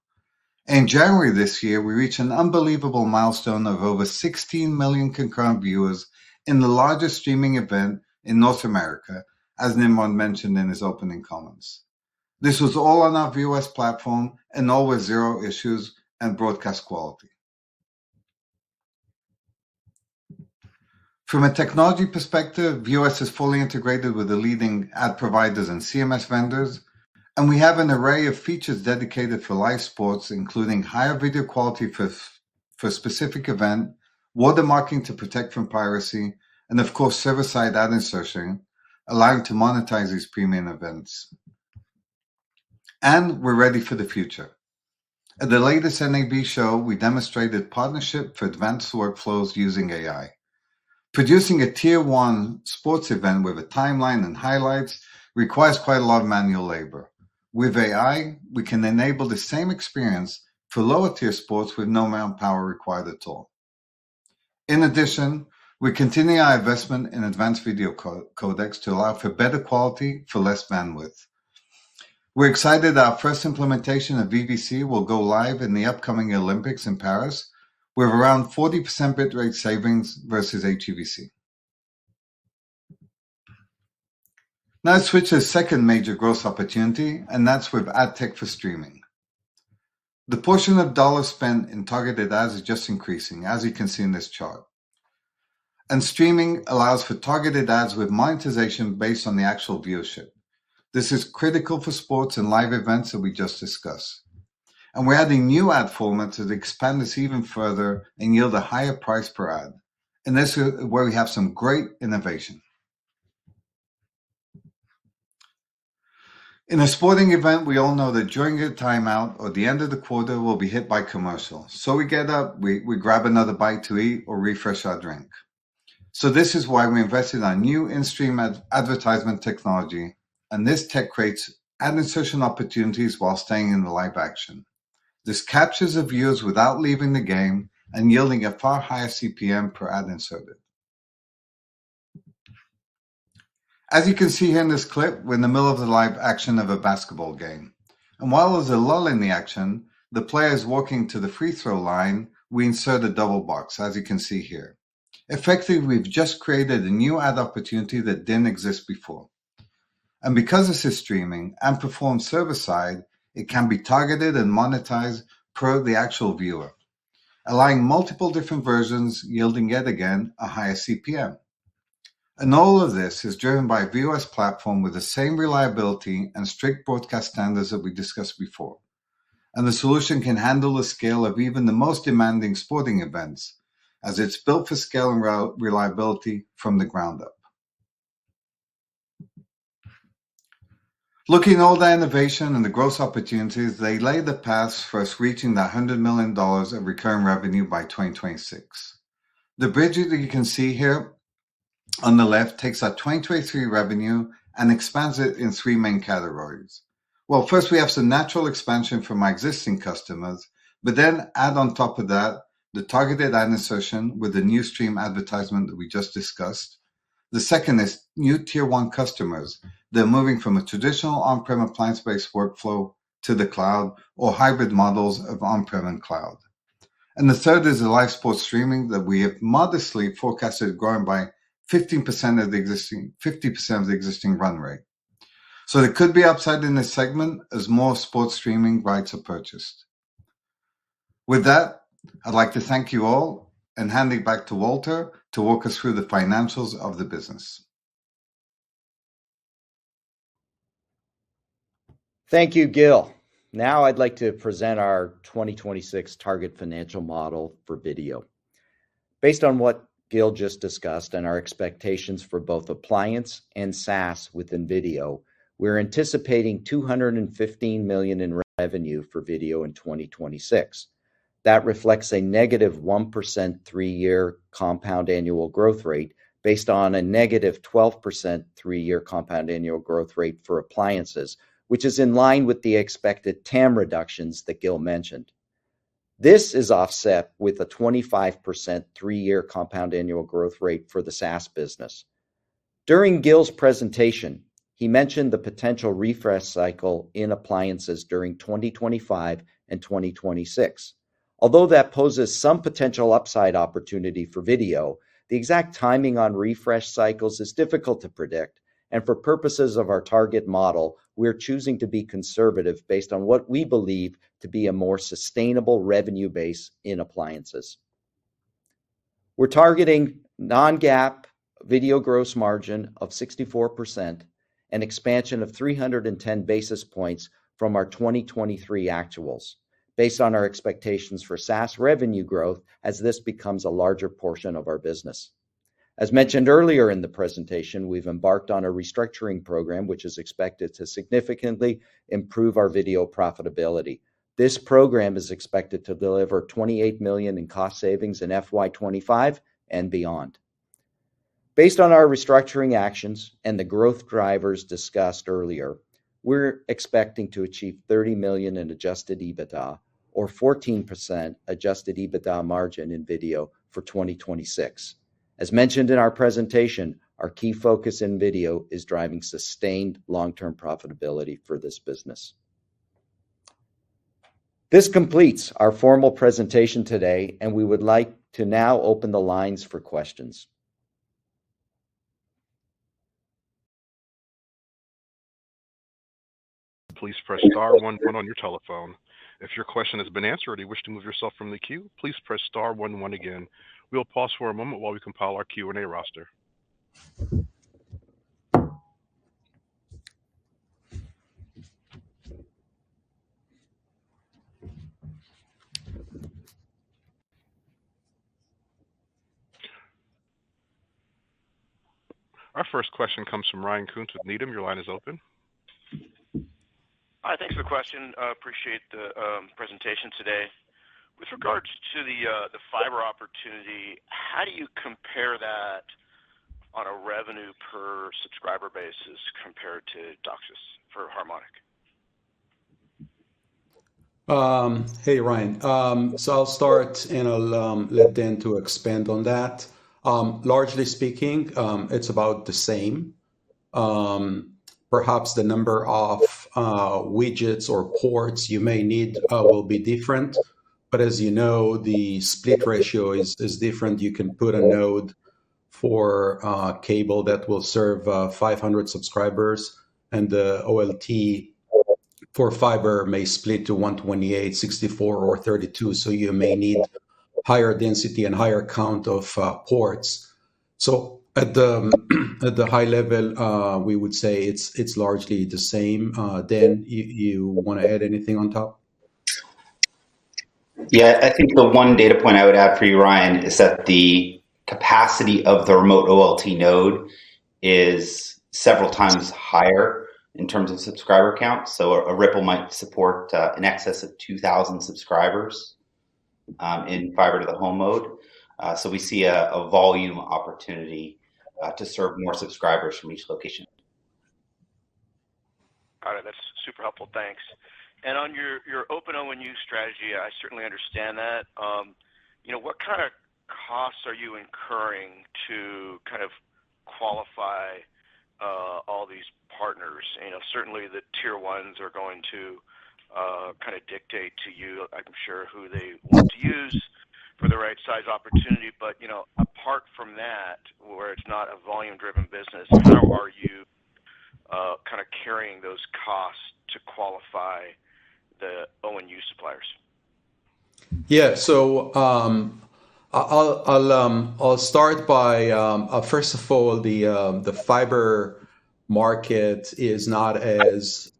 S5: In January this year we reached an unbelievable milestone of over 16 million concurrent viewers in the largest streaming event in North America. As Nimrod mentioned in his opening comments, this was all on our VOS platform and always zero issues and broadcast quality. From a technology perspective, VOS is fully integrated with the leading ad providers and CMS vendors and we have an array of features dedicated for live sports, including higher video quality for specific event watermarking to protect from piracy and of course server side ad insertion allowing to monetize these premium events and we're ready for the future. At the latest NAB show, we demonstrated partnership for advanced workflows using AI. Producing a tier one sports event with a timeline and highlights requires quite a lot of manual labor. With AI we can enable the same experience for lower tier sports with no manpower required at all. In addition, we continue our investment in advanced video codecs to allow for better quality for less bandwidth. We're excited. Our first implementation of VVC will go live in the upcoming Olympics in Paris with around 40% bit rate savings versus HEVC. Now switch to the second major growth opportunity and that's with AdTech. For streaming, the portion of dollars spent in targeted ads is just increasing as you can see in this chart, and streaming allows for targeted ads with monetization based on the actual viewership. This is critical for sports and live events that we just discussed and we're adding new ad formats that expand this even further and yield a higher price per ad. This is where we have some great innovation in a sporting event. We all know that during a timeout or the end of the quarter, we'll be hit by commercial. So we get up, we grab another bite to eat or refresh our drink. This is why we invested in our new stream advertisement technology. This tech creates ad insertion opportunities while staying in the live action. This captures the viewers without leaving the game and yielding a far higher CPM per ad inserted. As you can see here in this clip, we're in the middle of the live action of a basketball game and while there's a lull in the action, the player is walking to the free throw line. We insert a double box as you can see here. Effectively, we've just created a new ad opportunity that didn't exist before. Because this is streaming and performed server-side, it can be targeted and monetized per the actual viewer, allowing multiple different versions yielding yet again a higher CPM. All of this is driven by VOS platform with the same reliability and strict broadcast standards that we discussed before. The solution can handle the scale of even the most demanding sporting events as it's built for scale and reliability from the ground up. Looking at all the innovation and the growth opportunities, they lay the path for us reaching that $100 million of recurring revenue by 2026. The bridge that you can see here on the left takes up 2023 revenue and expands it in three main categories. Well, first we have some natural expansion from our existing customers, but then add on top of that the targeted ad insertion with the new stream advertisement that we just discussed. The second is new tier one customers. They're moving from a traditional on-prem appliance-based workflow to the cloud or hybrid models of on-prem and cloud. And the third is the live sports streaming that we have modestly forecasted growing by 15% of the existing 50% of the existing run rate. So there could be upside in this segment as more sports streaming rights are purchased. With that, I'd like to thank you all and hand it back to Walter to walk us through the financials of the business.
S1: Thank you, Gil. Now I'd like to present our 2026 target financial model for video. Based on what Gil just discussed and our expectations for both appliances and SaaS within video, we're anticipating $215 million in revenue for video in 2026. That reflects a -1% three year compound annual growth rate based on a -12% three year compound annual growth rate for appliances, which is in line with the expected TAM reductions that Gil mentioned. This is offset with a 25% three year compound annual growth rate for the SaaS business. During Gil's presentation he mentioned the potential refresh cycle in appliances during 2025 and 2026. Although that poses some potential upside opportunity for video, the exact timing on refresh cycles is difficult to predict and for purposes of our target model, we are choosing to be conservative based on what we believe to be a more sustainable revenue base in appliances. We're targeting non-GAAP video gross margin of 64% and expansion of 310 basis points from our 2023 actuals based on our expectations for SaaS revenue growth as this becomes a larger portion of our business. As mentioned earlier in the presentation, we've embarked on a restructuring program which is expected to significantly improve our video profitability. This program is expected to deliver $28 million in cost savings in FY 2025 and beyond. Based on our restructuring actions and the growth drivers discussed earlier, we're expecting to achieve $30 million in adjusted EBITDA or 14% adjusted EBITDA margin in video for 2026. As mentioned in our presentation, our key focus in video is driving sustained long term profitability for the business. This completes our formal presentation today and we would like to now open the lines. For questions.
S6: Please press star one one on your telephone. If your question has been answered, you wish to move yourself from the queue, please press star one one again. We'll pause for a moment while we compile our Q&A roster. Our first question comes from Ryan Koontz with Needham. Your line is open. Hi, thanks for the question. Appreciate the presentation today. With regards to the fiber operation opportunity, how do you compare that on a revenue per subscriber basis compared to DOCSIS for Harmonic?
S2: Hey Ryan, so I'll start and I'll let Dan to expand on that. Largely speaking it's about the same. Perhaps the number of widgets or ports you may need will be different, but as you know the split ratio is different. You can put a node for cable that will serve 500 subscribers and the OLT for fiber may split to 128, 64, or 32. So you may need higher density and higher count of ports. So at the high level we would say it's largely the same. Then you want to add anything on top?
S4: Yeah, I think the one data point I would add for you Ryan, is that the capacity of the remote OLT node is several times higher in terms of subscriber count. So a Ripple might support in excess of 2,000 subscribers in fiber to the home mode. So we see a volume opportunity to serve more subscribers from each location.
S7: All right, that's super helpful, thanks. On your open ONU strategy, I certainly understand that, you know, what kind of costs are you incurring to kind of qualify all these partners? You know, certainly the tier one's are going to kind of dictate to you, I'm sure, who they want to use for the right size opportunity. Apart from that, where it's not a volume driven business, how are you kind of carrying those costs to qualify the ONU suppliers?
S2: Yeah, so I'll start by first of all, the fiber market is not as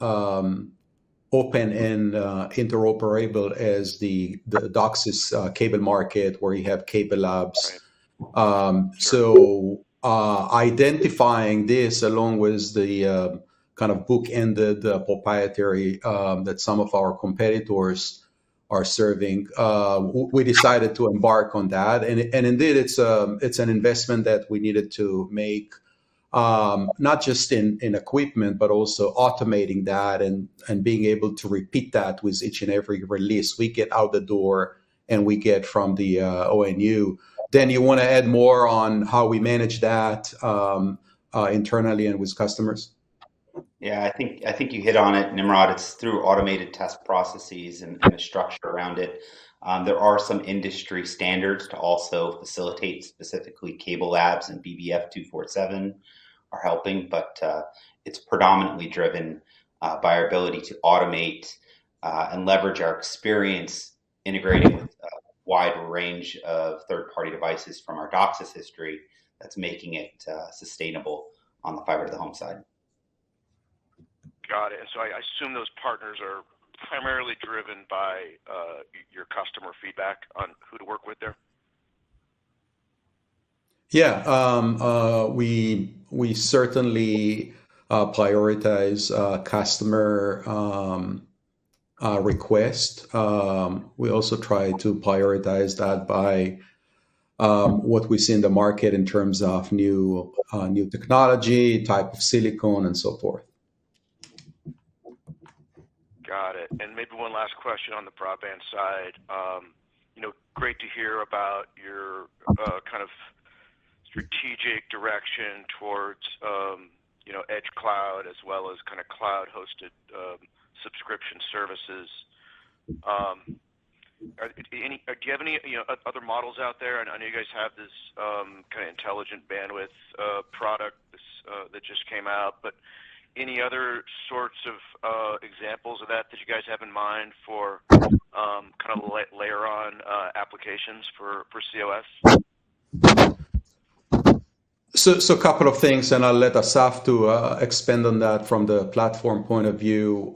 S2: open and interoperable as the DOCSIS cable market where you have CableLabs. So identifying this along with the kind of book-ended proprietary that some of our competitors are serving, we decided to embark on that. And indeed it's an investment that we needed to make not just in equipment, but also automating that and being able to repeat that with each and every release we get out the door and we get from the ONU. Dan, you want to add more on how we manage that internally and with customers?
S4: Yeah, I think you hit on it, Nimrod. It's through automated test processes and the structure around it. There are some industry standards to also facilitate. Specifically CableLabs and BBF.247 are helping, but it's predominantly driven by our ability to automate and leverage our experience integrating with a wide range of third-party devices from our DOCSIS history. That's making it sustainable on the fiber to the home side.
S7: Got it. And so I assume those partners are primarily driven by your customer feedback on who to work with there.
S2: Yeah, we certainly prioritize customer request. We also try to prioritize that by what we see in the market in terms of new technology, type of silicon and so forth.
S7: Got it. And maybe one last question on the broadband side, you know, great to hear about your kind of strategic direction towards edge cloud as well as kind of cloud hosted subscription services. Do you have any other models out there? I know you guys have this kind of intelligent bandwidth product that just came out, but any other sorts of examples of that that you guys have in mind for kind of layer on applications. Applications for cOS.
S2: So a couple of things and I'll let Asaf expand on that. From the platform point of view,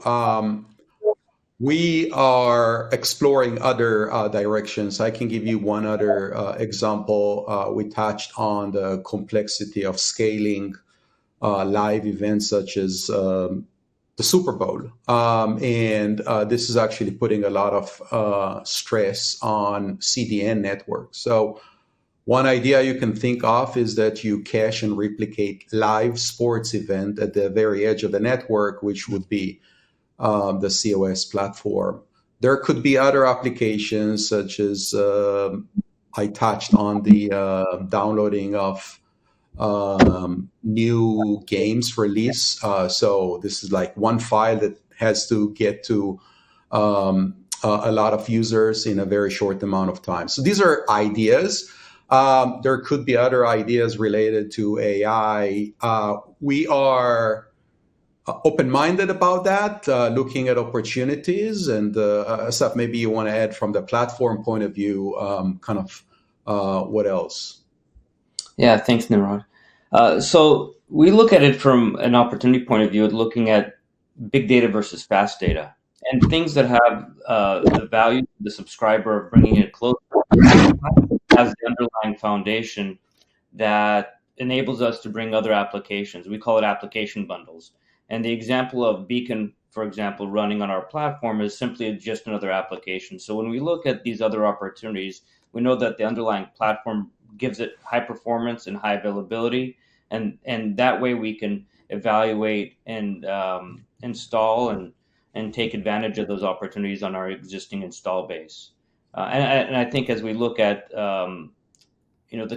S2: we are exploring other directions. I can give you one other example. We touched on the complexity of scaling live events such as the Super Bowl and this is actually putting a lot of stress on CDN network. So one idea you can think of is that you cache and replicate live sports event at the very edge of the network, which would be the cOS platform. There could be other applications such as I touched on the downloading of new games release. So this is like one file that has to get to a lot of users in a very short amount of time. So these are ideas. There could be other ideas related to AI. We are open-minded about that. Looking at opportunities and Asaf, maybe you want to add from the platform point of view, kind of. What else?
S3: Yeah, thanks Nimrod. So we look at it from an opportunity point of view, looking at big data versus fast data and things that have the value, the subscriber of bringing it closer as the underlying foundation that enables us to bring other applications. We call it application bundles. And the example of Beacon, for example, running on our platform is simply just another application. So when we look at these other opportunities, we know that the underlying platform gives it high performance and high availability. And that way we can evaluate and install and take advantage of those opportunities on our existing install base. And I think as we look at the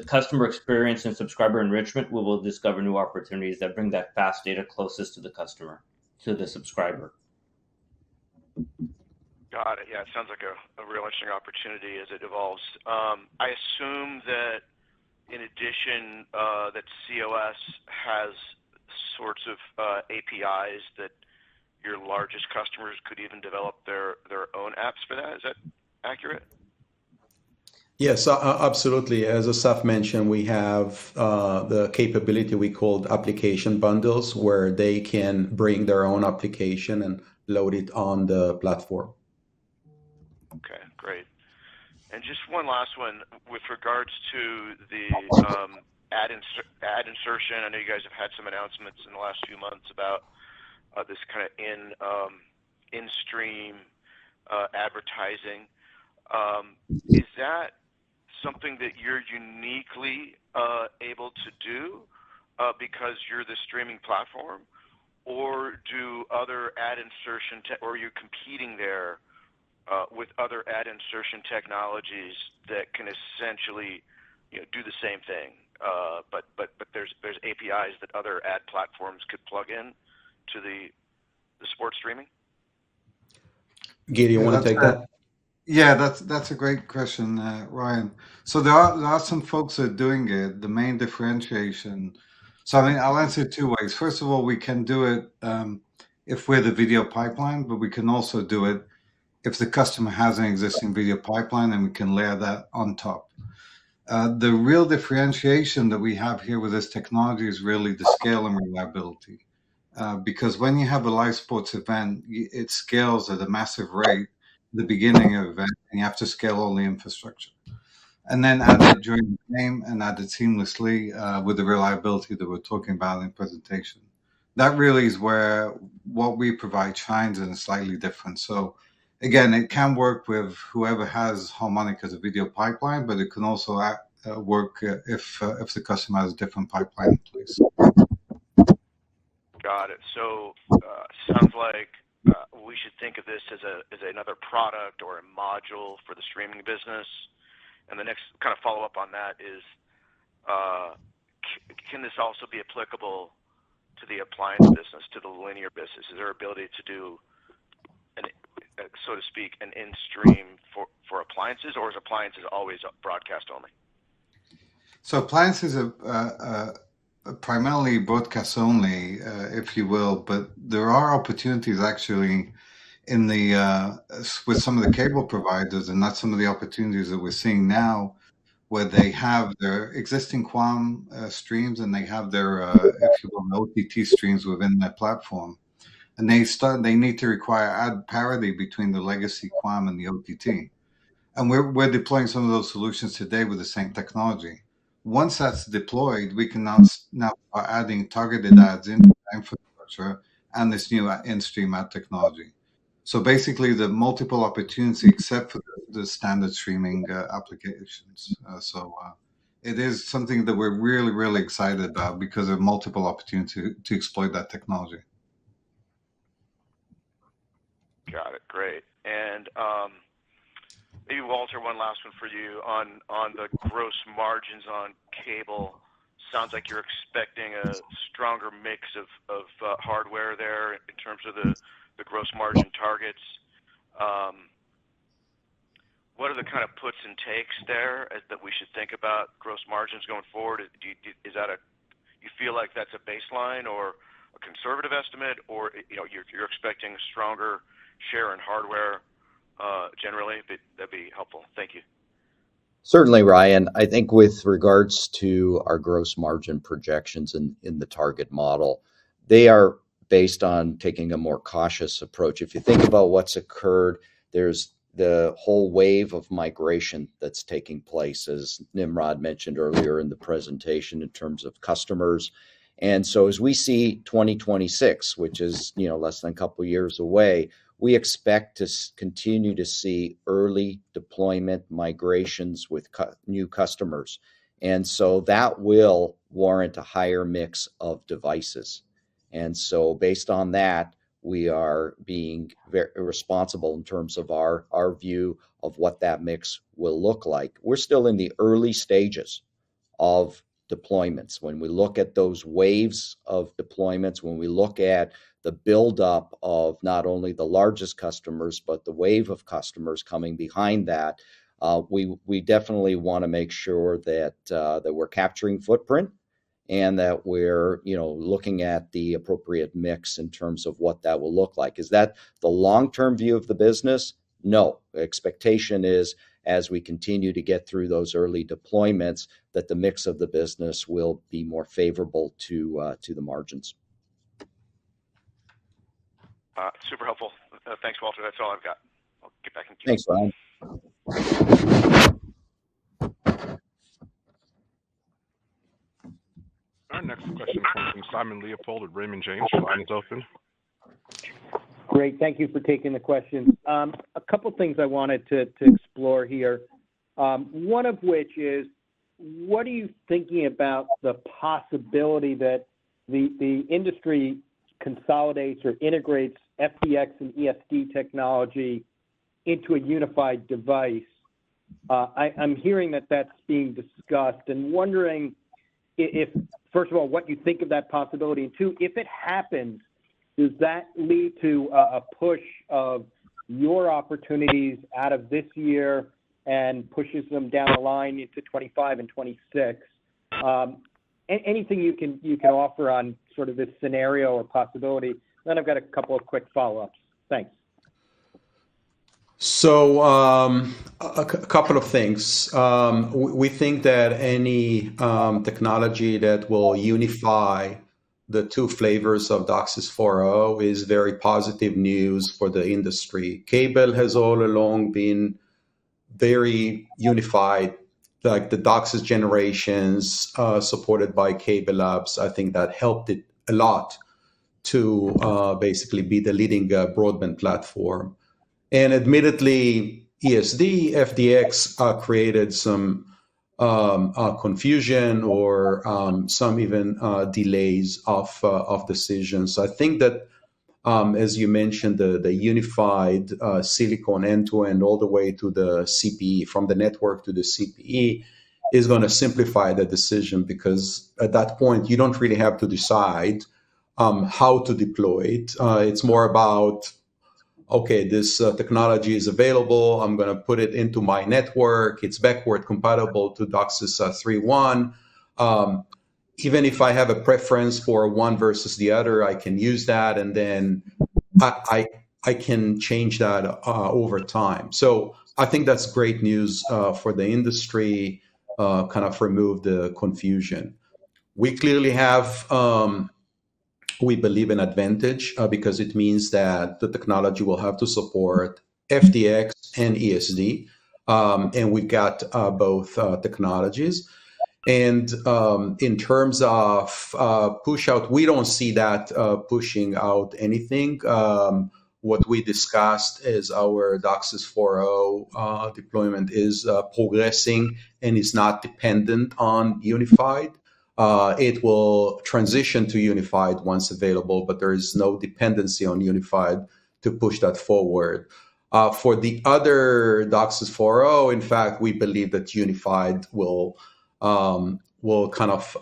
S3: customer experience and subscriber enrichment, we will discover new opportunities that bring that fast data closest to the customer to the subscriber.
S7: Got it. Yeah, it sounds like a real interesting opportunity as it evolves. I assume that in addition that cOS has sorts of APIs that your largest customers could even develop their own apps for that. Is that accurate?
S2: Yes, absolutely. As Asaf mentioned, we have the capability we called application bundles where they can bring their own application and load it on the platform. Okay, great. And just one last one with regards to the ad insertion, I know you guys have had some announcements in the last few months about this kind of in-stream advertising. Is that something that you're uniquely able to do because you're the streaming platform or do other ad insertion or you're competing there with other ad insertion technologies that can essentially do the same thing? But there's APIs that other ad platforms could plug into the sports streaming. Gil, want to take that?
S5: Yeah, that's a great question, Ryan. So there are some folks that are doing it, the main differentiation. So I mean, I'll answer two ways. First of all, we can do it if we're the video pipeline, but we can also do it if the customer has an existing video pipeline and we can layer that on top. The real differentiation that we have here with this technology is really the scale and reliability because when you have a live sports event, it scales at a massive rate, the beginning of event and you have to scale all the infrastructure and then add that during the game and add it seamlessly with the reliability that we're talking about in presentation. That really is where what we provide shines and slightly different. So again, it can work with whoever has Harmonic as a video pipeline, but it can also work if. If the customer has a different pipeline in place.
S7: Got it. So sounds like we should think of this as another product or a module for the streaming business, and the next kind of follow-up on that is, can this also be applicable to the appliance business, to the linear business? Is there ability to do, so to speak, an in-stream for appliances, or is appliances always broadcast only? So appliances primarily broadcast only, if you will. But there are opportunities actually in the with some of the cable providers and not some of the opportunities that we're seeing now where they have their existing QAM streams and they have their, if you will, OTT streams within their platform and they start they need to require ad parity between the legacy QAM and the OTT. And we're deploying some of those solutions today with the same technology. Once that's deployed, we can now adding targeted ads in infrastructure and this new in-stream ad technology. So basically the multiple opportunities except for the standard streaming applications. So it is something that we're really, really excited about because of multiple opportunities to exploit that technology. Got it. Great. And maybe Walter, one last one for you on the gross margins on cable. Sounds like you're expecting a stronger mix of hardware there in terms of the gross margin targets. What are the kind of puts and takes there that we should think about gross margins going forward? Is that you feel like that's a baseline or a conservative estimate or you're expecting stronger share in hardware generally. That'd be helpful. Thank you.
S1: Certainly. Ryan. I think with regards to our gross margin projections in the target model, they are based on taking a more cautious approach. If you think about what's occurred, there's the whole wave of migration that's taking place, as Nimrod mentioned earlier in the presentation, in terms of customers. And so as we see 2026, which is less than a couple years away, we expect to continue to see early deployment migrations with new customers. And so that will warrant a higher mix of devices. And so based on that, we are being responsible in terms of our view of what that mix will look like. We're still in the early stages of deployments. When we look at those waves of deployments, when we look at the buildup of not only the largest customers, but the wave of customers coming behind that. We definitely want to make sure that we're capturing footprint and that we're looking at the appropriate mix in terms of what that will look like. Is that the long term view of the business? No. Expectation is, as we continue to get through those early deployments, that the mix of the business will be more favorable to the margins.
S7: Super helpful. Thanks, Walter. That's all I've got. I'll get back in.
S1: Thanks Ryan.
S6: Our next question comes from Simon Leopold of Raymond James. Your line is open.
S8: Great. Thank you for taking the question. A couple things I wanted to explore here, one of which is what are you thinking about the possibility that the industry consolidates or integrates FDX and ESD technology into a unified device? I'm hearing that that's being discussed and wondering if, first of all, what you think of that possibility and two, if it happens, does that lead to a push of your opportunities out of this year and pushes them down the line into 2025 and 2026? Anything you can offer on sort of this scenario or possibility then I've got a couple of quick follow-ups. Thanks.
S2: So, a couple of things. We think that any technology that will unify the two flavors of DOCSIS 4.0 is very positive news for the industry. Cable has all along been very unified like the DOCSIS generations supported by CableLabs. I think that helped it a lot to basically be the leading broadband platform. And admittedly ESD FDX created some confusion or some even delays of decisions. I think that as you mentioned, the unified silicon end to end all the way to the CPE, from the network to the CPE is going to simplify the decision because at that point you don't really have to decide how to deploy it. It's more about, okay, this technology is available, I'm going to put it into my network, it's backward compatible to DOCSIS 3.1. Even if I have a preference for one versus the other, I can use that and then I can change that over time. So I think that's great news for the industry. Kind of remove the confusion we clearly have. We believe in DAA because it means that the technology will have to support FDX and ESD and we've got both technologies. In terms of pushout, we don't see that pushing out anything. What we discussed is our DOCSIS 4.0 deployment is progressing and is not dependent on Unified. It will transition to Unified once available, but there is no dependency on Unified to push that forward for the other DOCSIS 4.0. In fact, we believe that Unified will, will kind of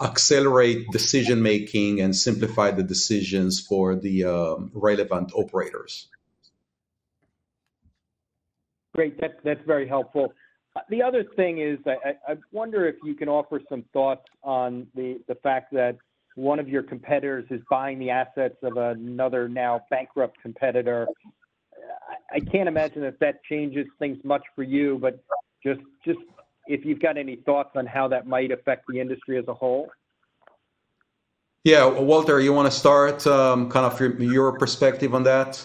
S2: accelerate decision making and simplify the decisions for the relevant operators.
S8: Great, that's very helpful. The other thing is I wonder if you can offer some thoughts on the fact that one of your competitors is buying the assets of another now bankrupt competitor. I can't imagine that that changes things much for you, but just if you've got any thoughts on how that might affect the industry as a whole?
S2: Yeah, Walter, you want to start kind of your perspective on that?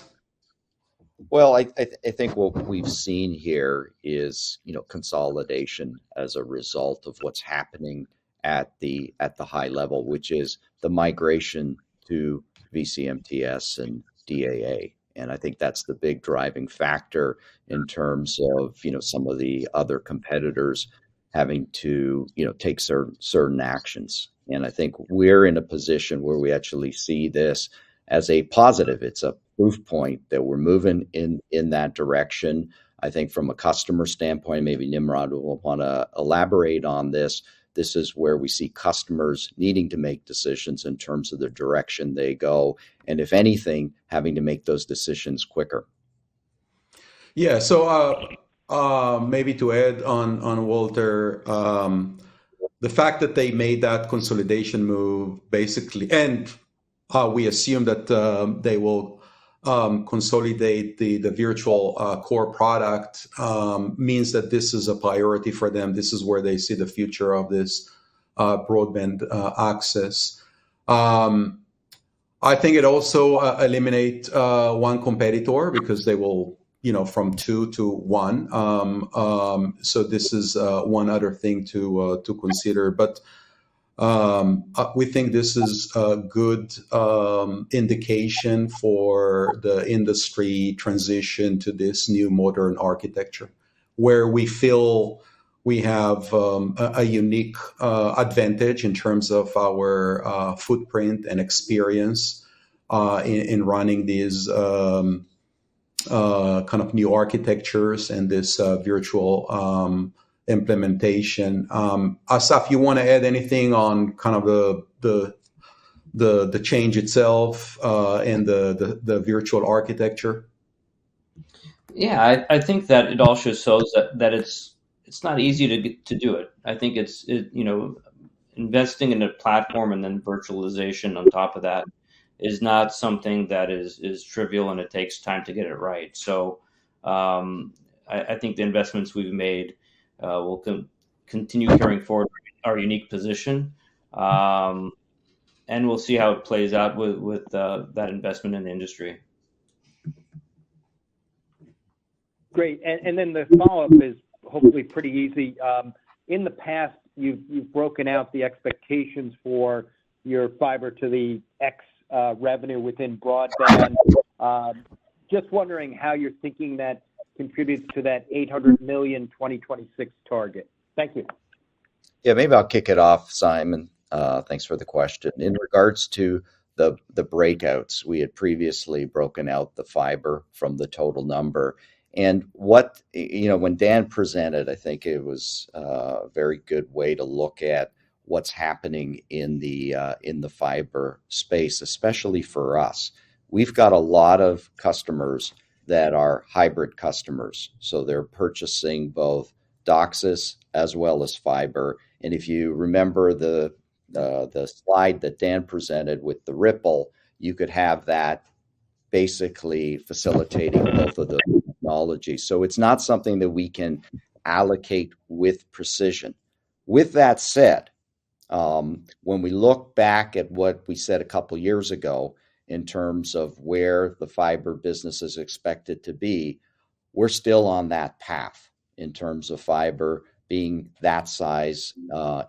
S1: Well, I think what we've seen here is consolidation as a result of what's happening at the high level, which is the migration to vCMTS and DAA. And I think that's the big driving factor in terms of, you know, some of the other competitors having to, you know, take certain actions. And I think we're in a position where we actually see this as a positive. It's a proof point that we're moving in that direction. I think from a customer standpoint, maybe Nimrod will want to elaborate on this. This is where we see customers needing to make decisions in terms of the direction they go and if anything having to make those decisions quicker.
S2: Yeah. So maybe to add on, Walter, the fact that they made that consolidation move basically and we assume that they will consolidate the virtual core product means that this is a priority for them. This is where they see the future of this broadband access. I think it also eliminate one competitor because they will, you know, from two to one. So this is one other thing to consider. But we think this is a good indication for the industry transition to this new modern architecture where we feel we have a unique advantage in terms of our footprint and experience in running these kind of new architectures and this virtual implementation. Asaf. You want to add anything on kind of the change itself and the virtual architecture?
S3: Yeah, I think that it also shows that it's not easy to get to do it. I think it's, you know, investing in a platform and then virtualization on top of that is not something that is trivial and it takes time to get it right. So I think the investments we've made will continue carrying forward our unique position and we'll see how it plays out with that investment in the industry.
S8: Great. And then the follow-up is hopefully pretty easy. In the past you've broken out the expectations for your fiber to the X revenue within broadband. Just wondering how you're thinking that contributes to that $800 million 2026 target. Thank you.
S1: Yeah, maybe I'll kick it off. Simon, thanks for the question. In regards to the breakouts, we had previously broken out the fiber from the total number and what, you know, when Dan presented, I think it was a very good way to look at what's happening in the fiber space, especially for us. We've got a lot of customers that are hybrid customers, so they're purchasing both DOCSIS as well as fiber. And if you remember the slide that Dan presented with the Ripple, you could have that basically facilitating both of the knowledge. So it's not something that we can allocate with precision with. That said, when we look back at what we said a couple years ago in terms of where the fiber business is expected to be, we're still on that path in terms of fiber being that size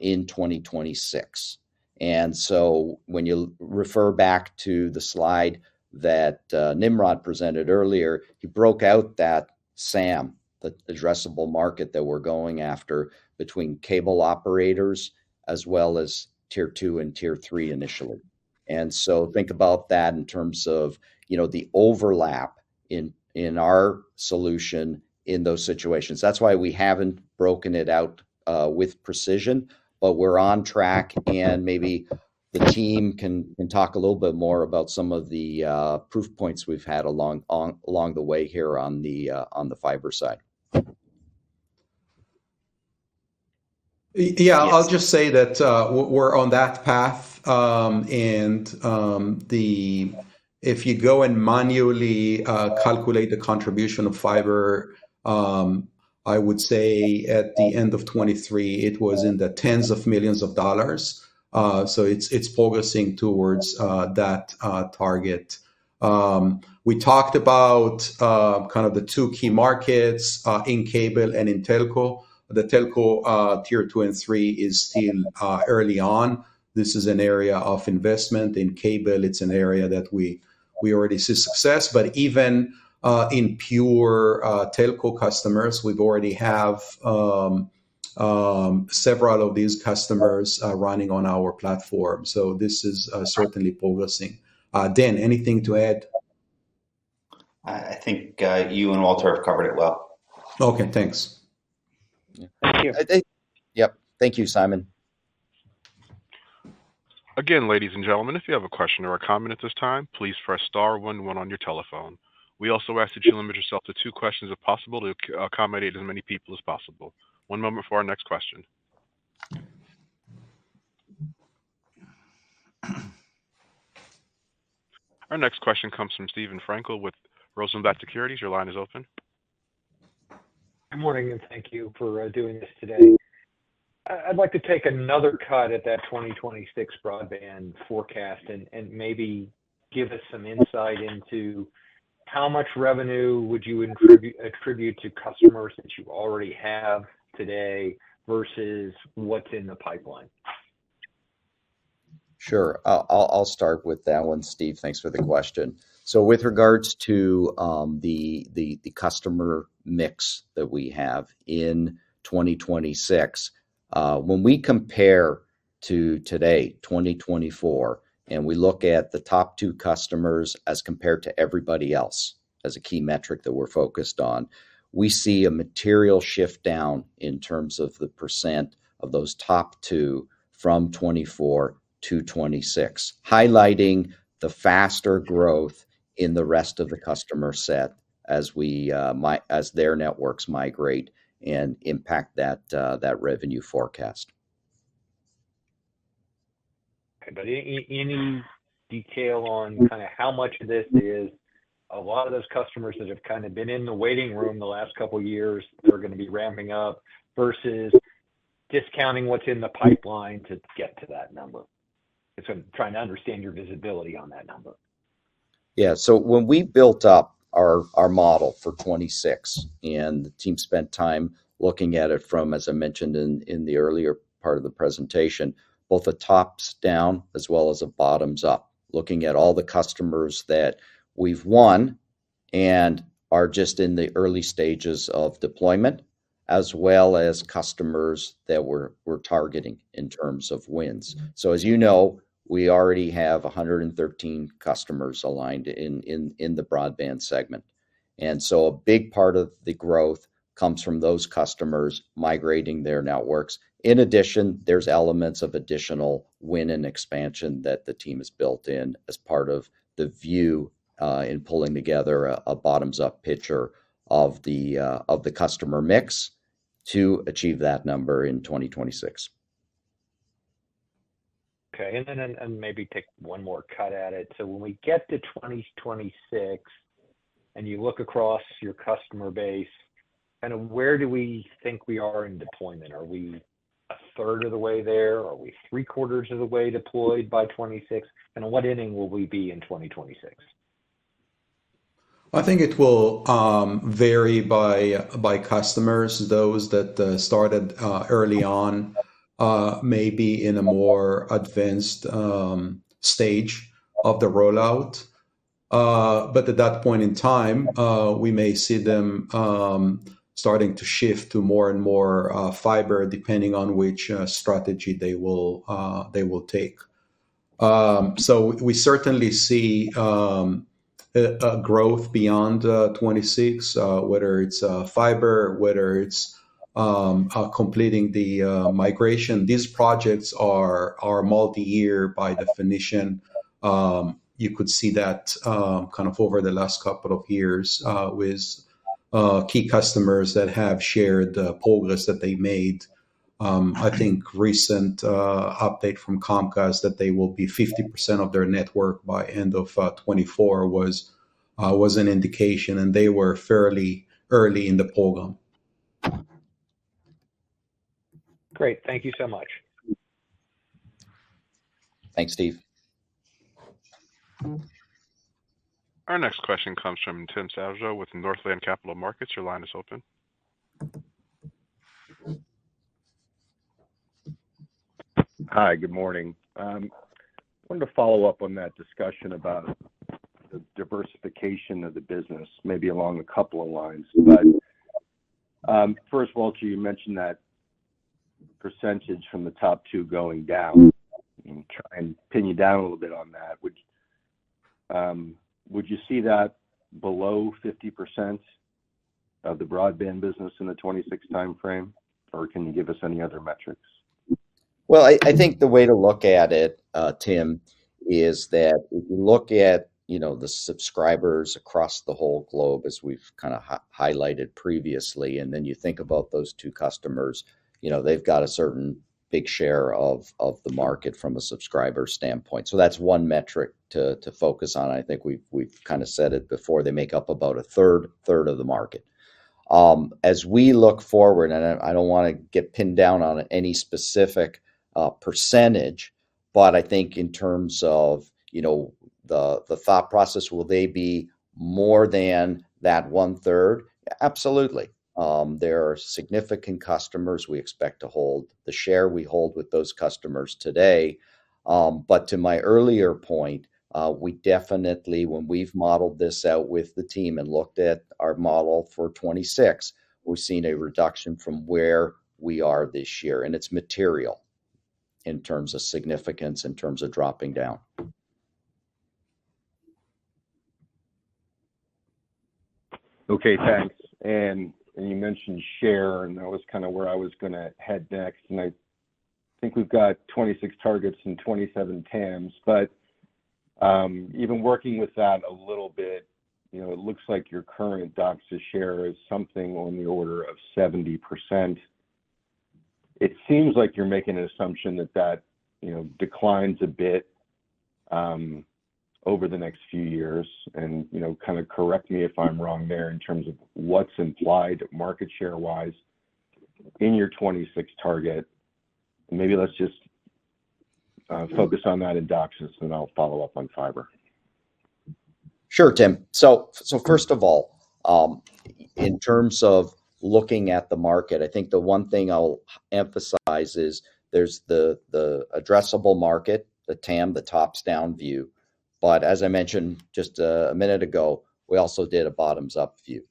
S1: in 2026. And so when you refer back to the slide that Nimrod presented earlier, he broke out that TAM, the addressable market that we're going after between cable operators as well as tier two and tier three initially. And so think about that in terms of, you know, the overlap in our solution in those situations. That's why we haven't broken it out with precision. But we're on track and maybe the team can talk a little bit more about some of the proof points we've had along the way here on the fiber side.
S2: Yeah, I'll just say that we're on that path. If you go and manually calculate the contribution of fiber, I would say at the end of 2023, it was in the $ tens of millions. So it's focusing towards that target. We talked about kind of the two key markets in cable and in telco. The telco tier two and three is still early on. This is an area of investment in cable. It's an area that we already see success. But even in pure telco customers, we already have several of these customers running on our platform. So this is certainly progressing. Dan, anything to add?
S4: I think you and Walter have covered it well.
S2: Okay, thanks.
S1: Yep. Thank you, Simon.
S6: Again, ladies and gentlemen, if you have a question or a comment at this time, please press star one one on your telephone. We also ask that you limit yourself to two questions, if possible, to accommodate as many people as possible. One moment for our next question. Our next question comes from Steven Frankel with Rosenblatt Securities. Your line is open.
S9: Good morning and thank you for doing this today. I'd like to take another cut at that 2026 broadband forecast and maybe give us some insight into how much revenue would you attribute to customers that you already have today versus what's in the pipeline?
S1: Sure, I'll start with that one. Steve, thanks for the question. So with regards to the customer mix that we have in 2026, when we compare to today 2024 and we look at the top two customers as compared to everybody else as a key metric that we're focused on, we see a material shift down in terms of the percent of those top two from 2024 to 2026, highlighting the faster growth in the rest of the customer set as we might as their networks migrate and impact that revenue forecast.
S9: But any detail on kind of how much of this is a lot of those customers that have kind of been in the waiting room the last couple years are going to be ramping up versus discounting what's in the pipeline to get to that number. Trying to understand your visibility on that number.
S1: Yeah. So when we built up our model for 2026 and the team spent time looking at it from, as I mentioned in the earlier part of the presentation, both the top-down as well as a bottoms-up, looking at all the customers that we've won and are just in the early stages of deployment as well as customers that we're targeting in terms of wins. So as you know we already have 113 customers aligned in the broadband segment and so a big part of the growth comes from those customers migrating their networks. In addition, there's elements of additional win and expansion that the team has built in as part of the view in pulling together a bottoms-up picture of the customer mix to achieve that number in 2026.
S9: Okay. And then maybe take one more cut at it. So when we get to 2026 and you look across your customer base kind of where do we think we are in deployment? Are we a third of the way there? Are we 3/4 of the way deployed by 2026? And what inning will we be in 2026?
S2: I think it will vary by customers. Those that started early on may be in a more advanced stage of the rollout but at that point in time we may see them starting to shift to more and more fiber depending on which strategy they will take. So we certainly see growth beyond 2026, whether it's fiber, whether it's completing the migration. These projects are multi-year by definition. You could see that kind of over the last couple of years with key customers that have shared progress that they made. I think recent update from Comcast that they will be 50% of their network by end of 2024 was an indication and they were fairly early in the program.
S9: Great. Thank you so much.
S1: Thanks, Steve.
S6: Our next question comes from Tim Savageaux with Northland Capital Markets. Your line is open.
S10: Hi, good morning. I wanted to follow up on that discussion about the diversification of the business maybe along a couple of lines. But first, Walter, you mentioned that percentage from the top two going down. Try and pin you down a little bit on that. Would you see that below 50% of the broadband business in the 2026 time frame or can you give us any other metrics?
S1: Well, I think the way to look at it, Tim, is that if you look at, you know, the subscribers across the whole globe as we've kind of highlighted previously, and then you think about those two customers, you know, they've got a certain big share of the market from a substantial subscriber standpoint. So that's one metric to focus on. I think we've kind of said it before. They make up about a third of the market as we look forward. And I don't want to get pinned down on any specific percentage, but I think in terms of, you know, the thought process, will they be more than that one third? Absolutely. There are significant customers. We expect to hold the share we hold with those customers today. To my earlier point, we definitely, when we've modeled this out with the team and looked at our model for 2026, we've seen a reduction from where we are this year and it's material in terms of significance, in terms of dropping down.
S10: Okay, thanks. And you mentioned share and that was kind of where I was going to head next. And I think we've got 26 targets and 27 TAMs. But even working with that a little bit, you know, it looks like your current DOCSIS share is something on the order of 70%. It seems like you're making an assumption that you know, declines a bit over the next few years and you know, kind of correct me if I'm wrong there in terms of what's implied market share wise in your 26 target. Maybe let's just focus on that in DOCSIS and I'll follow up on fiber.
S1: Sure, Tim. So first of all, in terms of looking at the market, I think the one thing I'll emphasize is there's the addressable market, the TAM, the top-down view. But as I mentioned just a minute ago, we also did a bottom-up view.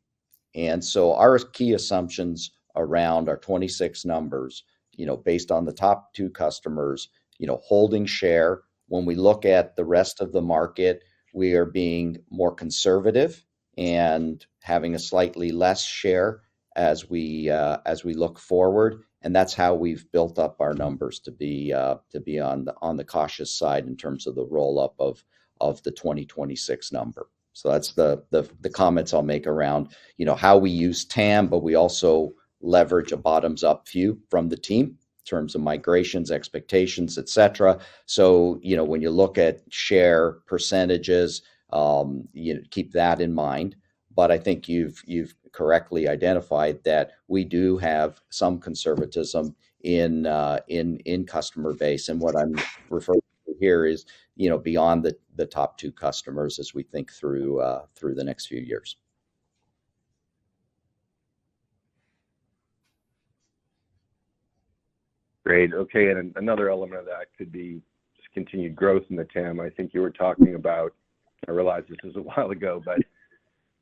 S1: And so our key assumptions around our 2026 numbers you know, based on the top two customers, you know, holding share. When we look at the rest of the market, we are being more conservative and having a slightly less share as we look forward. And that's how we've built up our numbers to be on the cautious side in terms of the roll-up of the 2026 number. So that's the comments I'll make around, you know, how we use tam, but we also leverage a bottoms-up view from the team in terms of migrations, expectations, et cetera. So you know, when you look at share percentages, you keep that in mind. But I think you've correctly identified that we do have some conservatism in customer base. And what I'm referring to here is, you know, beyond the top two customers as we think through the next few years.
S10: Great. Okay. Another element of that could be continued growth in the TAM I think you were talking about. I realized this is a while ago, but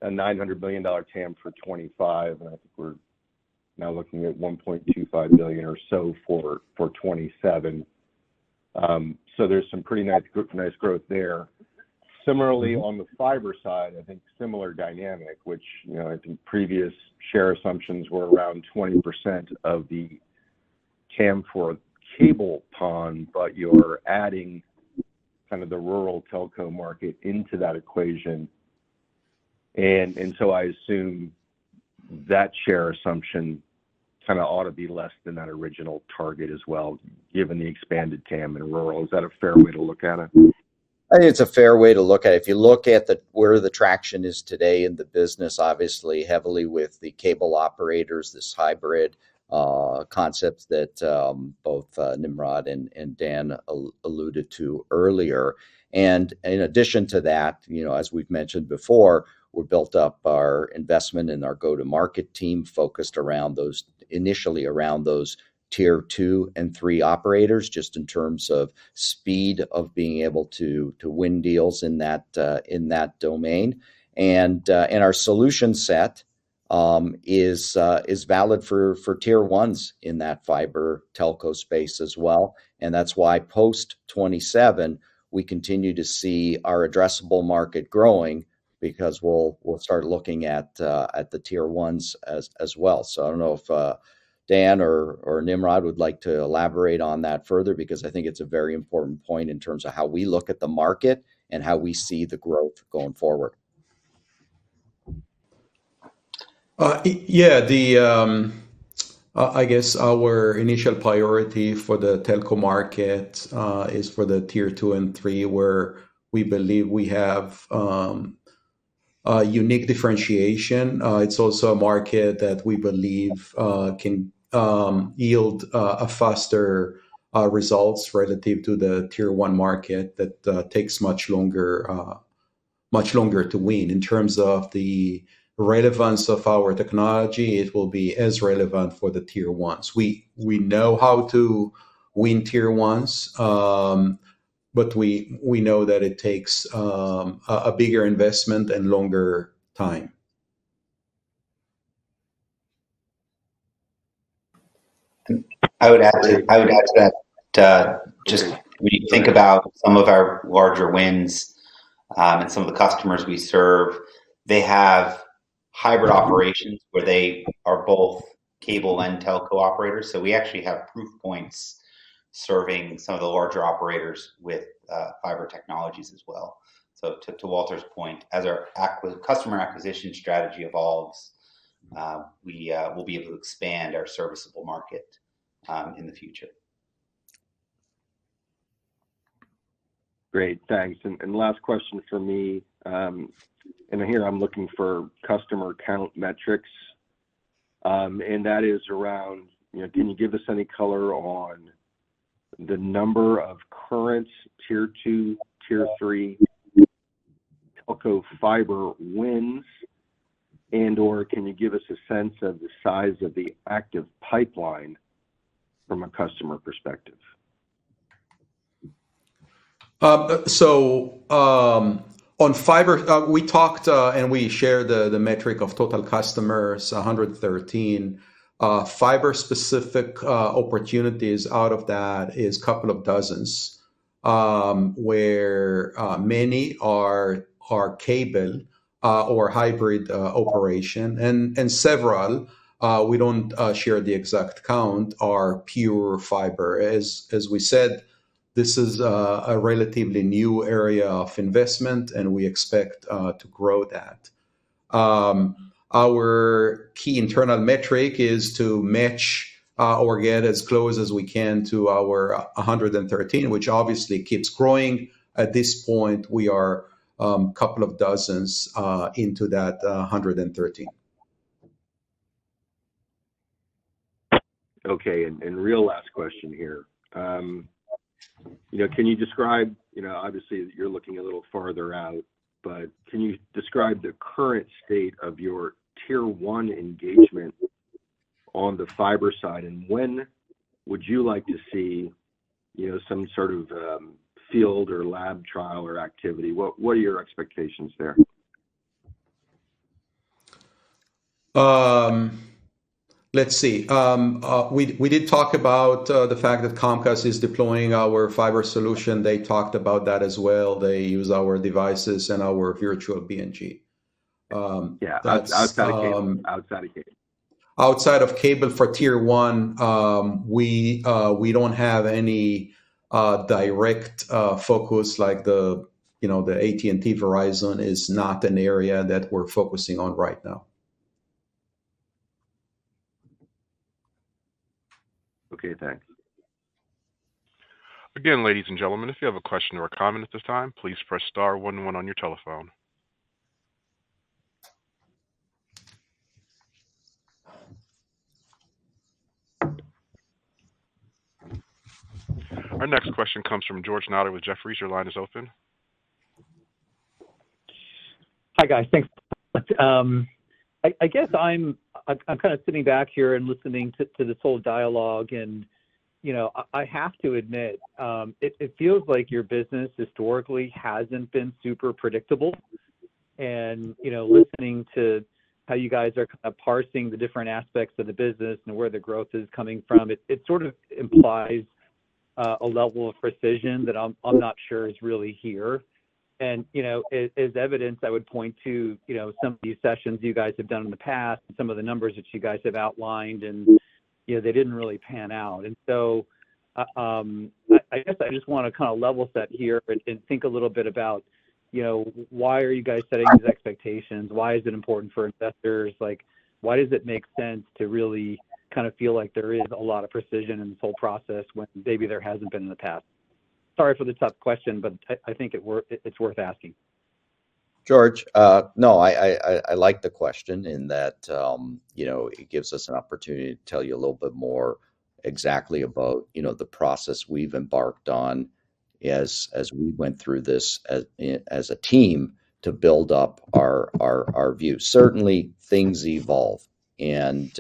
S10: a $900 billion TAM for 2025 and I think we're now looking at $1.25 billion or so for 2027. So there's some pretty nice growth there. Similarly, on the fiber side, I think similar dynamic which, you know, I think previous share assumptions were around 20% of the TAM for cable PON. But you're adding kind of the rural telco market into that equation. And so I assume that share assumption kind of ought to be less than that original target as well given the expanded TAM in rural. Is that a fair way to look at it?
S1: It's a fair way to look at it. If you look at the, where the traction is today in the business, obviously heavily with the cable operators, this hybrid concepts that both Nimrod and Dan alluded to earlier. In addition to that, you know, as we've mentioned before, we built up our investment in our go to market team focused around those initially around those tier two and three operators just in terms of speed of being able to win deals in that domain. Our solution set is valid for tier ones in that fiber telco space as well. That's why post 2027 we continue to see our addressable market growing because we'll, we'll start looking at, at the tier ones as, as well. I don't know if Dan or Nimrod would like to elaborate on that further because I think it's a very important point in terms of how we look at the market and how we see the growth going forward.
S2: Yeah, I guess our initial priority for the telco market is for the tier two and three where we believe we have a unique differentiation. It's also a market that we believe can yield faster results relative to the tier one market. That takes much longer, much longer to win. In terms of the relevance of our technology, it will be as relevant for the tier ones. We know how to win tier ones, but we know that it takes a bigger investment and longer time.
S4: I would add to that, just think about some of our larger wins and some of the customers we serve, they have hybrid operations where they are both cable and telco operators. So we actually have proof points serving some of the larger operators with fiber technologies as well. So to Walter's point, as our customer acquisition strategy evolves, we will be able to expand our serviceable market in the future.
S10: Great, thanks. Last question for me. Here I'm looking for customer count metrics and that is around, you know, can you give us any color on the number of current tier two, tier three telco fiber wins and, or can you give us a sense of the size of the active pipeline from a customer perspective?
S2: So on fiber, we talked and we share the metric of total customers. 113 fiber-specific opportunities out of that is a couple of dozens where many are cable or hybrid operation and several we don't share the exact count are pure fiber. As, as we said, this is a relatively new area of investment and we expect to grow that. Our key internal metric is to match or get as close as we can to our 113 which obviously keeps growing. At this point we are a couple of dozens into that 113.
S10: Okay, real last question here. You know, can you describe, you know, obviously you're looking a little farther out, but can you describe the current state of your tier one engagement on the fiber side and when would you like to see, you know, some sort of field or lab trial or activity? What, what are your expectations there?
S2: Let's see, we did talk about the fact that Comcast is deploying our fiber solution. They talked about that as well. They use our devices and our virtual BNG.
S10: Yeah.
S2: Outside of cable for tier one, we don't have any direct focus like the, you know, the AT&T. Verizon is not an area that we're focusing on right now.
S10: Okay, thanks
S6: again ladies and gentlemen. If you have a question or a comment at this time, please press star 11 on your telephone. Our next question comes from George Notter with Jefferies. Your line is open.
S11: Hi guys. Thanks. I guess I'm kind of sitting back here and listening to this whole dialogue and you know, I have to admit it feels like your business historically hasn't been super predictable. And you know, listening to how you guys are parsing the different aspects of the business and where the growth is coming from, it's sort of implies a level of precision that I'm not sure is really here. And you know, as evidence, I would point to, you know, some of these sessions you guys have done in the past, some of the numbers that you guys have outlined and, you know, they didn't really pan out. And so I guess I just want to kind of level set here and think a little bit about, you know, why are you guys setting these expectations? Why is it important for investors? Like, why does it make sense to really kind of feel like there is a lot of precision in this whole process when maybe there hasn't been in the past? Sorry for the tough question, but I think it's worth asking George.
S1: No, I like the question in that, you know, it gives us an opportunity to tell you a little bit more exactly about, you know, the process we've embarked on as we went through this as a team to build up our view. Certainly things evolve and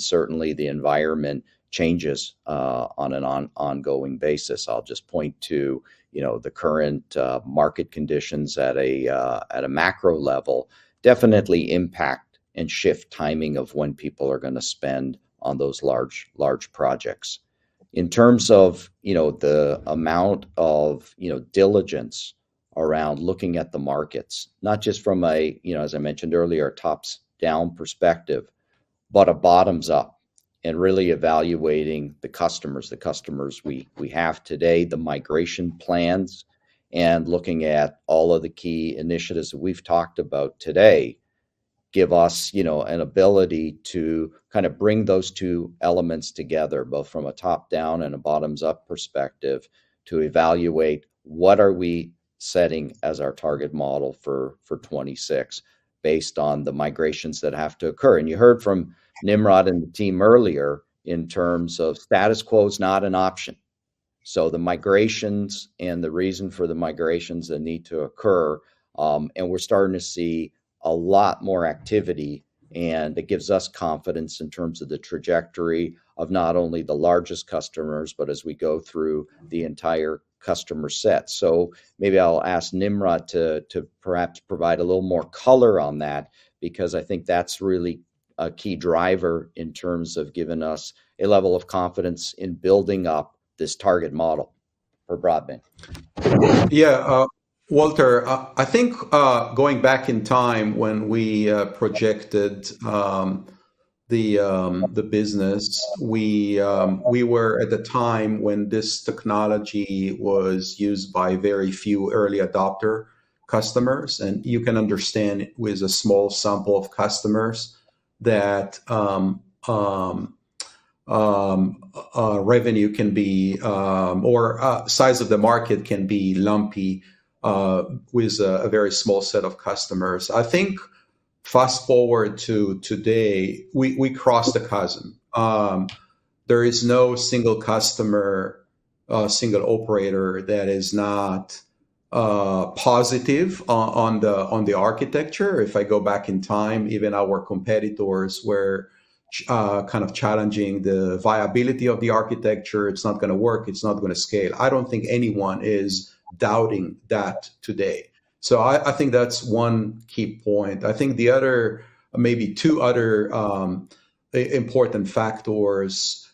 S1: certainly the environment changes on an ongoing basis. I'll just point to, you know, the current market conditions at a macro level definitely impact and shift timing of when people are going to spend on those large projects in terms of, you know, the amount of, you know, diligence around looking at the markets, not just from a, you know, as I mentioned earlier, tops down perspective, but a bottoms up and really evaluating the customers. The customers we have today. The migration plans and looking at all of the key initiatives that we've talked about today give us, you know, an ability to kind of bring those two elements together, both from a top down and a bottoms up perspective to evaluate what are we setting as our target model for 2026 based on the migrations that have to occur. You heard from Nimrod and the team earlier, in terms of status quo is not an option. The migrations and the reason for the migrations that need to occur and we're starting to see a lot more activity and it gives us confidence in terms of the trajectory of not only the largest customers, but as we go through the entire customer set. Maybe I'll ask Nimrod to perhaps provide a little more color on that because I think that's really a key driver in terms of giving us a level of confidence in building up this target model for Broadband.
S2: Yeah. Walter, I think going back in time, when we projected the business, we were at the time when this technology was used by very few early adopter customers. And you can understand with a small sample of customers that revenue can be, or size of the market can be lumpy with a very small set of customers. I think fast forward to today, we cross the chasm. There is no single customer, single operator that is not positive on the architecture. If I go back in time, even our competitors were challenging the viability of the architecture. It's not going to work, it's not going to scale. I don't think anyone is doubting that today. So I think that's one key point. I think the other maybe two other important factors.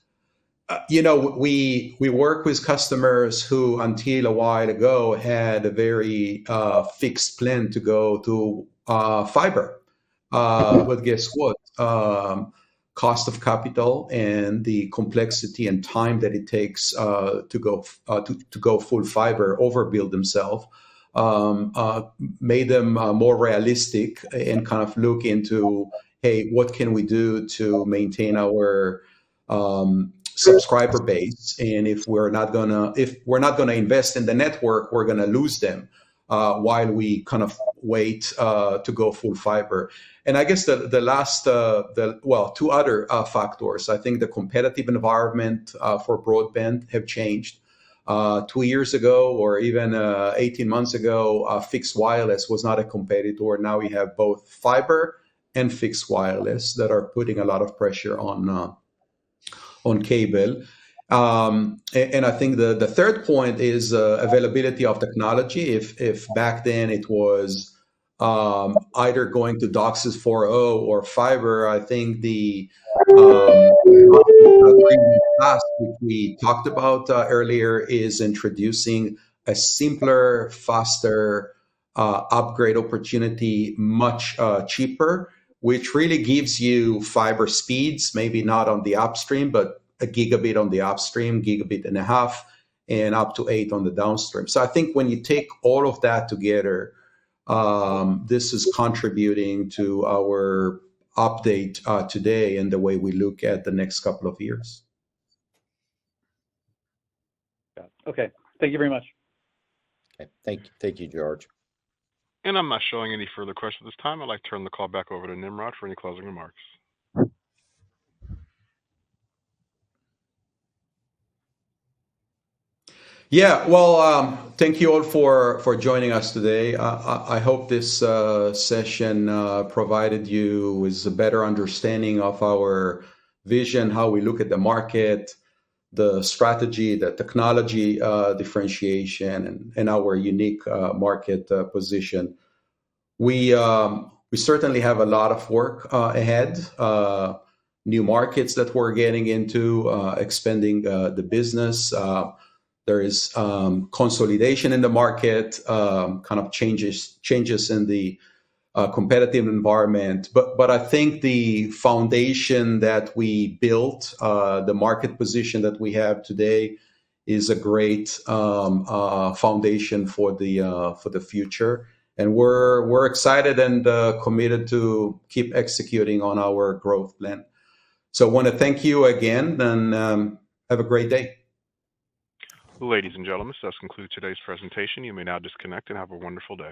S2: You know, we work with customers who until a while ago had a very fixed plan to go to fiber. But guess what? Cost of capital and the complexity and time that it takes to go to go full fiber overbuild themselves, made them more realistic and kind of look into, hey, what can we do to maintain our subscriber base? And if we're not gonna, if we're not gonna invest in the network, we're gonna lose them while we kind of wait to go full fiber. And I guess the last, the. Well, two other factors. I think the competitive environment for broadband have changed. two years ago or even 18 months ago, fixed wireless was not a competitor. Now we have both fiber and fixed wireless that are putting a lot of pressure on cable. And I think the third point is availability of technology. If back then it was either going to DOCSIS 4.0 or fiber. I think the one we talked about earlier is introducing a simpler, faster upgrade opportunity, much cheaper, which really gives you fiber speeds. Maybe not on the upstream, but 1 Gbps on the upstream, 1.5 Gbps and up to 8 Gbps on the downstream. So I think when you take all of that together, this is contributing to our performance update today and the way we look at the next couple of years.
S11: Okay, thank you very much.
S4: Thank you.
S1: Thank you, George.
S6: I'm not showing any further questions this time. I'd like to turn the call back over to Nimrod for any closing remarks.
S2: Yeah. Well, thank you all for joining us today. I hope this session provided you with a better understanding of our vision, how we look at the market, the strategy, the technology differentiation, and our unique market position. We certainly have a lot of work ahead. New markets that we're getting into, expanding the business. There is consolidation in the market kind of changes, changes in the competitive environment. But I think the foundation that we built, the market position that we have today, is a great foundation for the future. And we're excited and committed to keep executing on our growth plan. So I want to thank you again and have a great day.
S6: Ladies and gentlemen, does conclude today's presentation. You may now disconnect and have a wonderful day.